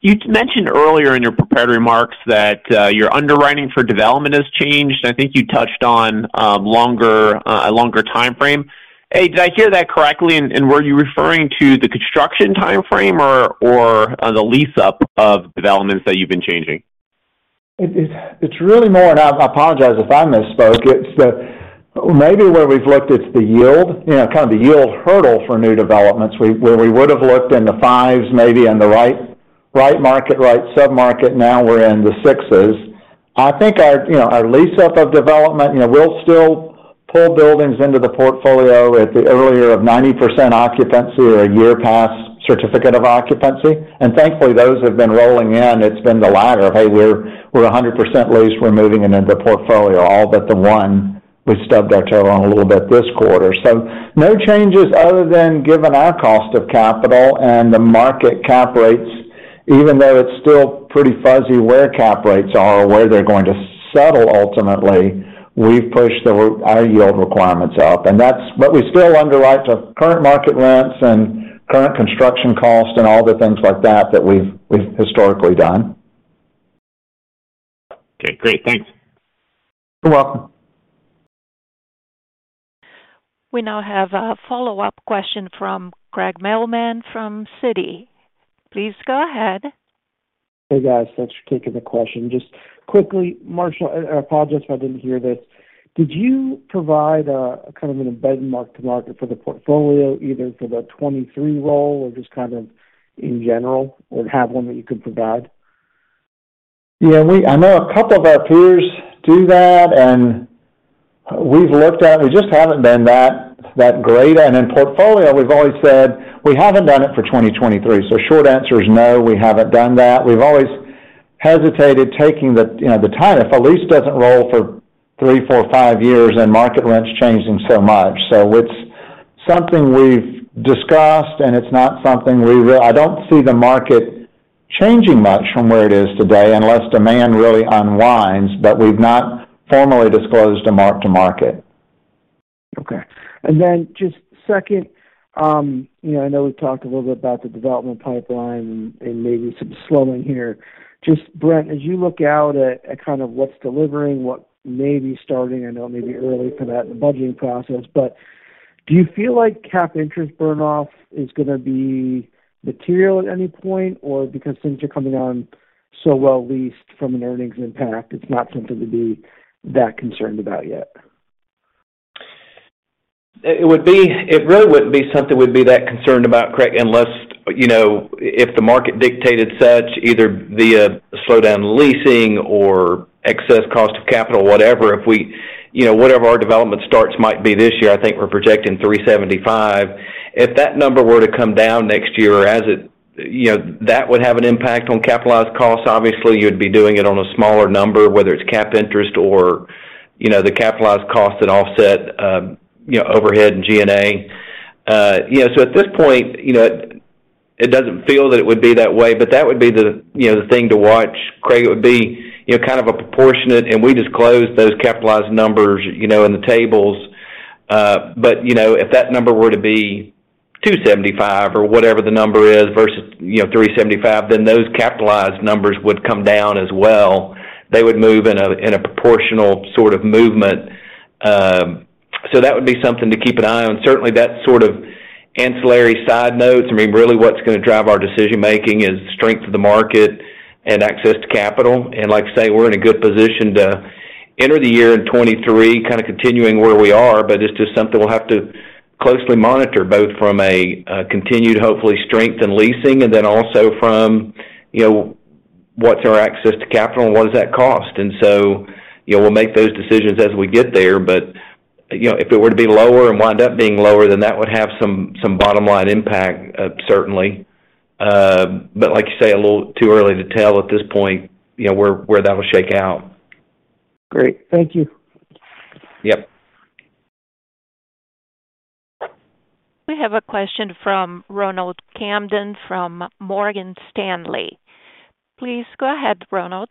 M: You mentioned earlier in your prepared remarks that your underwriting for development has changed. I think you touched on a longer timeframe. Did I hear that correctly? Were you referring to the construction timeframe or the lease up of developments that you've been changing?
B: It's really more, and I apologize if I misspoke. It's the yield. Maybe where we've looked, it's the yield. You know, kind of the yield hurdle for new developments. Where we would have looked in the fives maybe in the right market, right sub-market, now we're in the sixes. I think our, you know, our lease up of development, you know, we'll still pull buildings into the portfolio at the earlier of 90% occupancy or a year past certificate of occupancy. Thankfully, those have been rolling in. It's been the latter of, hey, we're 100% leased, we're moving into the portfolio. All but the one we stubbed our toe on a little bit this quarter. No changes other than, given our cost of capital and the market cap rates, even though it's still pretty fuzzy where cap rates are or where they're going to settle ultimately, we've pushed our yield requirements up. But we still underwrite the current market rents and current construction costs and all the things like that that we've historically done.
M: Okay, great. Thanks.
B: You're welcome.
A: We now have a follow-up question from Craig Mailman from Citi. Please go ahead.
E: Hey, guys. Thanks for taking the question. Just quickly, Marshall, I apologize if I didn't hear this. Did you provide a kind of an embedded mark-to-market for the portfolio, either for the 2023 roll or just kind of in general? Or have one that you could provide?
B: Yeah, I know a couple of our peers do that, and we just haven't been that great. In portfolio, we've always said we haven't done it for 2023. Short answer is no, we haven't done that. We've always hesitated taking the, you know, the time. If a lease doesn't roll for three, four, five years and market rent's changing so much. It's something we've discussed, and it's not something I don't see the market changing much from where it is today unless demand really unwinds. We've not formally disclosed a mark-to-market.
E: Okay. Just second, you know, I know we've talked a little bit about the development pipeline and maybe some slowing here. Just Brent, as you look out at kind of what's delivering, what may be starting, I know it may be early for that budgeting process, but do you feel like cap interest burn off is gonna be material at any point? Or because things are coming on so well leased from an earnings impact, it's not something to be that concerned about yet?
D: It really wouldn't be something we'd be that concerned about, Craig, unless, you know, if the market dictated such, either via slowdown leasing or excess cost of capital, whatever. You know, whatever our development starts might be this year, I think we're projecting 375. If that number were to come down next year, you know, that would have an impact on capitalized costs. Obviously, you'd be doing it on a smaller number, whether it's cap interest or, you know, the capitalized cost and offset, you know, overhead and G&A. You know, so at this point, you know, it doesn't feel that it would be that way, but that would be the, you know, the thing to watch. Craig, it would be, you know, kind of a proportionate, and we disclose those capitalized numbers, you know, in the tables but you know, if that number were to be 2.75% or whatever the number is versus, you know, 3.75%, then those capitalized numbers would come down as well. They would move in a proportional sort of movement. That would be something to keep an eye on. Certainly, that sort of ancillary side note, I mean, really, what's gonna drive our decision-making is the strength of the market and access to capital. Like I say, we're in a good position to enter the year in 2023 kinda continuing where we are, but it's just something we'll have to closely monitor both from a continued, hopefully strength in leasing and then also from, you know, what's our access to capital and what does that cost. You know, we'll make those decisions as we get there. You know, if it were to be lower and wind up being lower, then that would have some bottom line impact, certainly. Like you say, a little too early to tell at this point, you know, where that will shake out.
E: Great. Thank you.
D: Yep.
A: We have a question from Ronald Camden from Morgan Stanley. Please go ahead, Ronald.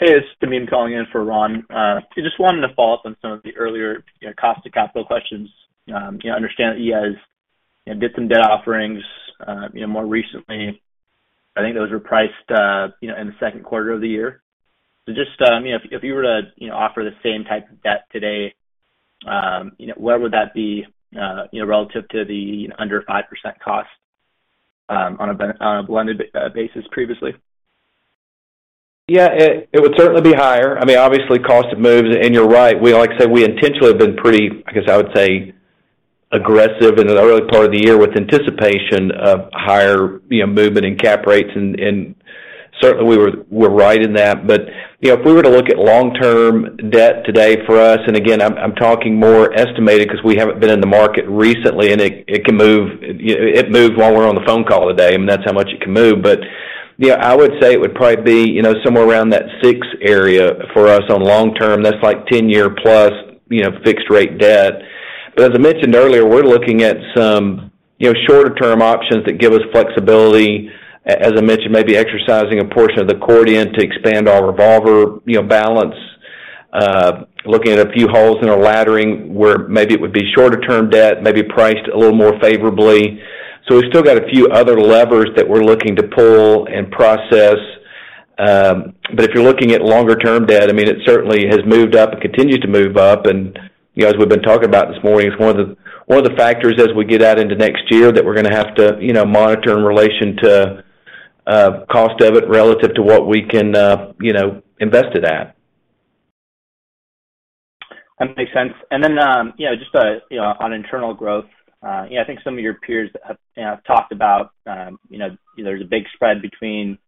N: Hey, it's Ameen for Ron. I just wanted to follow up on some of the earlier, you know, cost of capital questions. You know, I understand that you guys, you know, did some debt offerings, you know, more recently. I think those were priced, you know, in the Q2 of the year. Just, you know, if you were to, you know, offer the same type of debt today, you know, where would that be, you know, relative to the under 5% cost on a blended basis previously?
D: Yeah. It would certainly be higher. I mean, obviously, cost moves, and you're right. Like I say, we intentionally have been pretty, I guess I would say, aggressive in the early part of the year with anticipation of higher, you know, movement in cap rates. Certainly, we we're right in that. You know, if we were to look at long-term debt today for us, and again, I'm talking more estimated 'cause we haven't been in the market recently, and it can move. You know, it moved while we're on the phone call today, I mean, that's how much it can move. You know, I would say it would probably be, you know, somewhere around that 6% area for us on long-term. That's like 10-year plus, you know, fixed rate debt. As I mentioned earlier, we're looking at some, you know, shorter term options that give us flexibility. As I mentioned, maybe exercising a portion of the accordion to expand our revolver, you know, balance. Looking at a few holes in our laddering, where maybe it would be shorter term debt, maybe priced a little more favorably. We've still got a few other levers that we're looking to pull and process. If you're looking at longer term debt, I mean, it certainly has moved up and continued to move up. You guys, we've been talking about this morning, it's one of the factors as we get out into next year that we're gonna have to, you know, monitor in relation to cost of it relative to what we can, you know, invest it at.
N: That makes sense. You know, just, you know, on internal growth, you know, I think some of your peers have talked about, you know, there's a big spread between,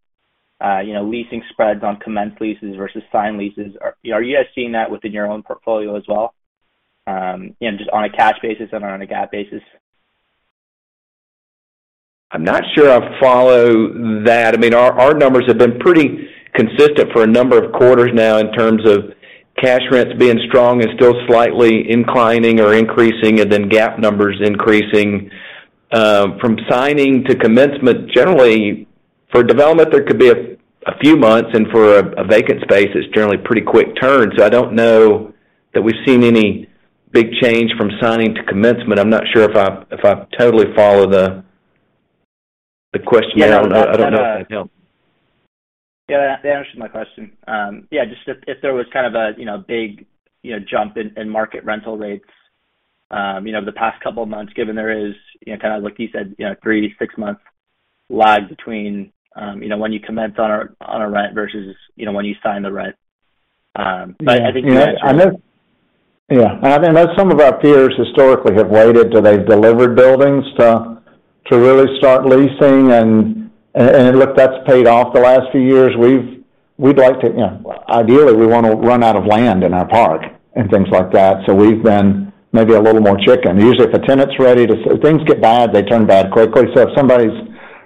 N: you know, leasing spreads on commenced leases versus signed leases. Are you guys seeing that within your own portfolio as well, you know, just on a cash basis and on a GAAP basis?
D: I'm not sure I follow that. I mean, our numbers have been pretty consistent for a number of quarters now in terms of cash rents being strong and still slightly inclining or increasing, and then GAAP numbers increasing. From signing to commencement, generally, for development, there could be a few months, and for a vacant space, it's generally pretty quick turn. I don't know that we've seen any big change from signing to commencement. I'm not sure if I've totally follow the question. I don't know. I don't know if that helped.
N: Yeah. That answered my question. Yeah, just if there was kind of a, you know, big, you know, jump in market rental rates, you know, the past couple of months, given there is, you know, kind of like you said, you know, three to six months lag between, you know, when you commence on a rent versus, you know, when you sign the rent. I think you answered it.
B: Yeah. I know some of our peers historically have waited till they've delivered buildings to really start leasing. Look, that's paid off the last few years. We'd like to, you know. Ideally, we wanna run out of land in our park and things like that, so we've been maybe a little more chicken. Usually, if things get bad, they turn bad quickly. If somebody's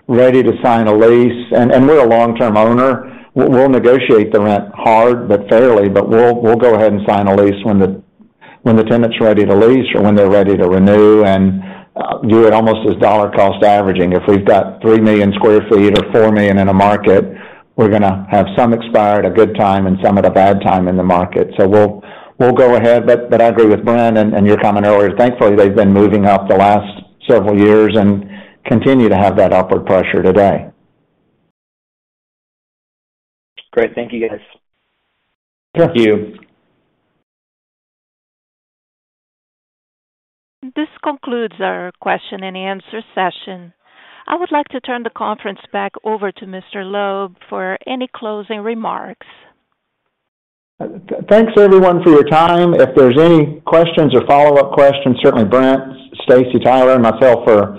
B: ready to sign a lease, and we're a long-term owner, we'll negotiate the rent hard but fairly, but we'll go ahead and sign a lease when the tenant's ready to lease or when they're ready to renew and view it almost as dollar cost averaging. If we've got 3 million sq ft or 4 million in a market, we're gonna have some expire at a good time and some at a bad time in the market. We'll go ahead. I agree with Brent and your comment earlier, thankfully, they've been moving up the last several years and continue to have that upward pressure today.
N: Great. Thank you, guys.
D: Sure.
A: This concludes our question and answer session. I would like to turn the conference back over to Mr. Loeb for any closing remarks.
B: Thanks everyone for your time. If there's any questions or follow-up questions, certainly Brent, Stacy, Tyler, and myself are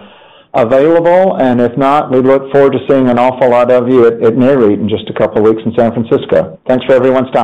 B: available. If not, we look forward to seeing an awful lot of you at Nareit in just a couple weeks in San Francisco. Thanks for everyone's time.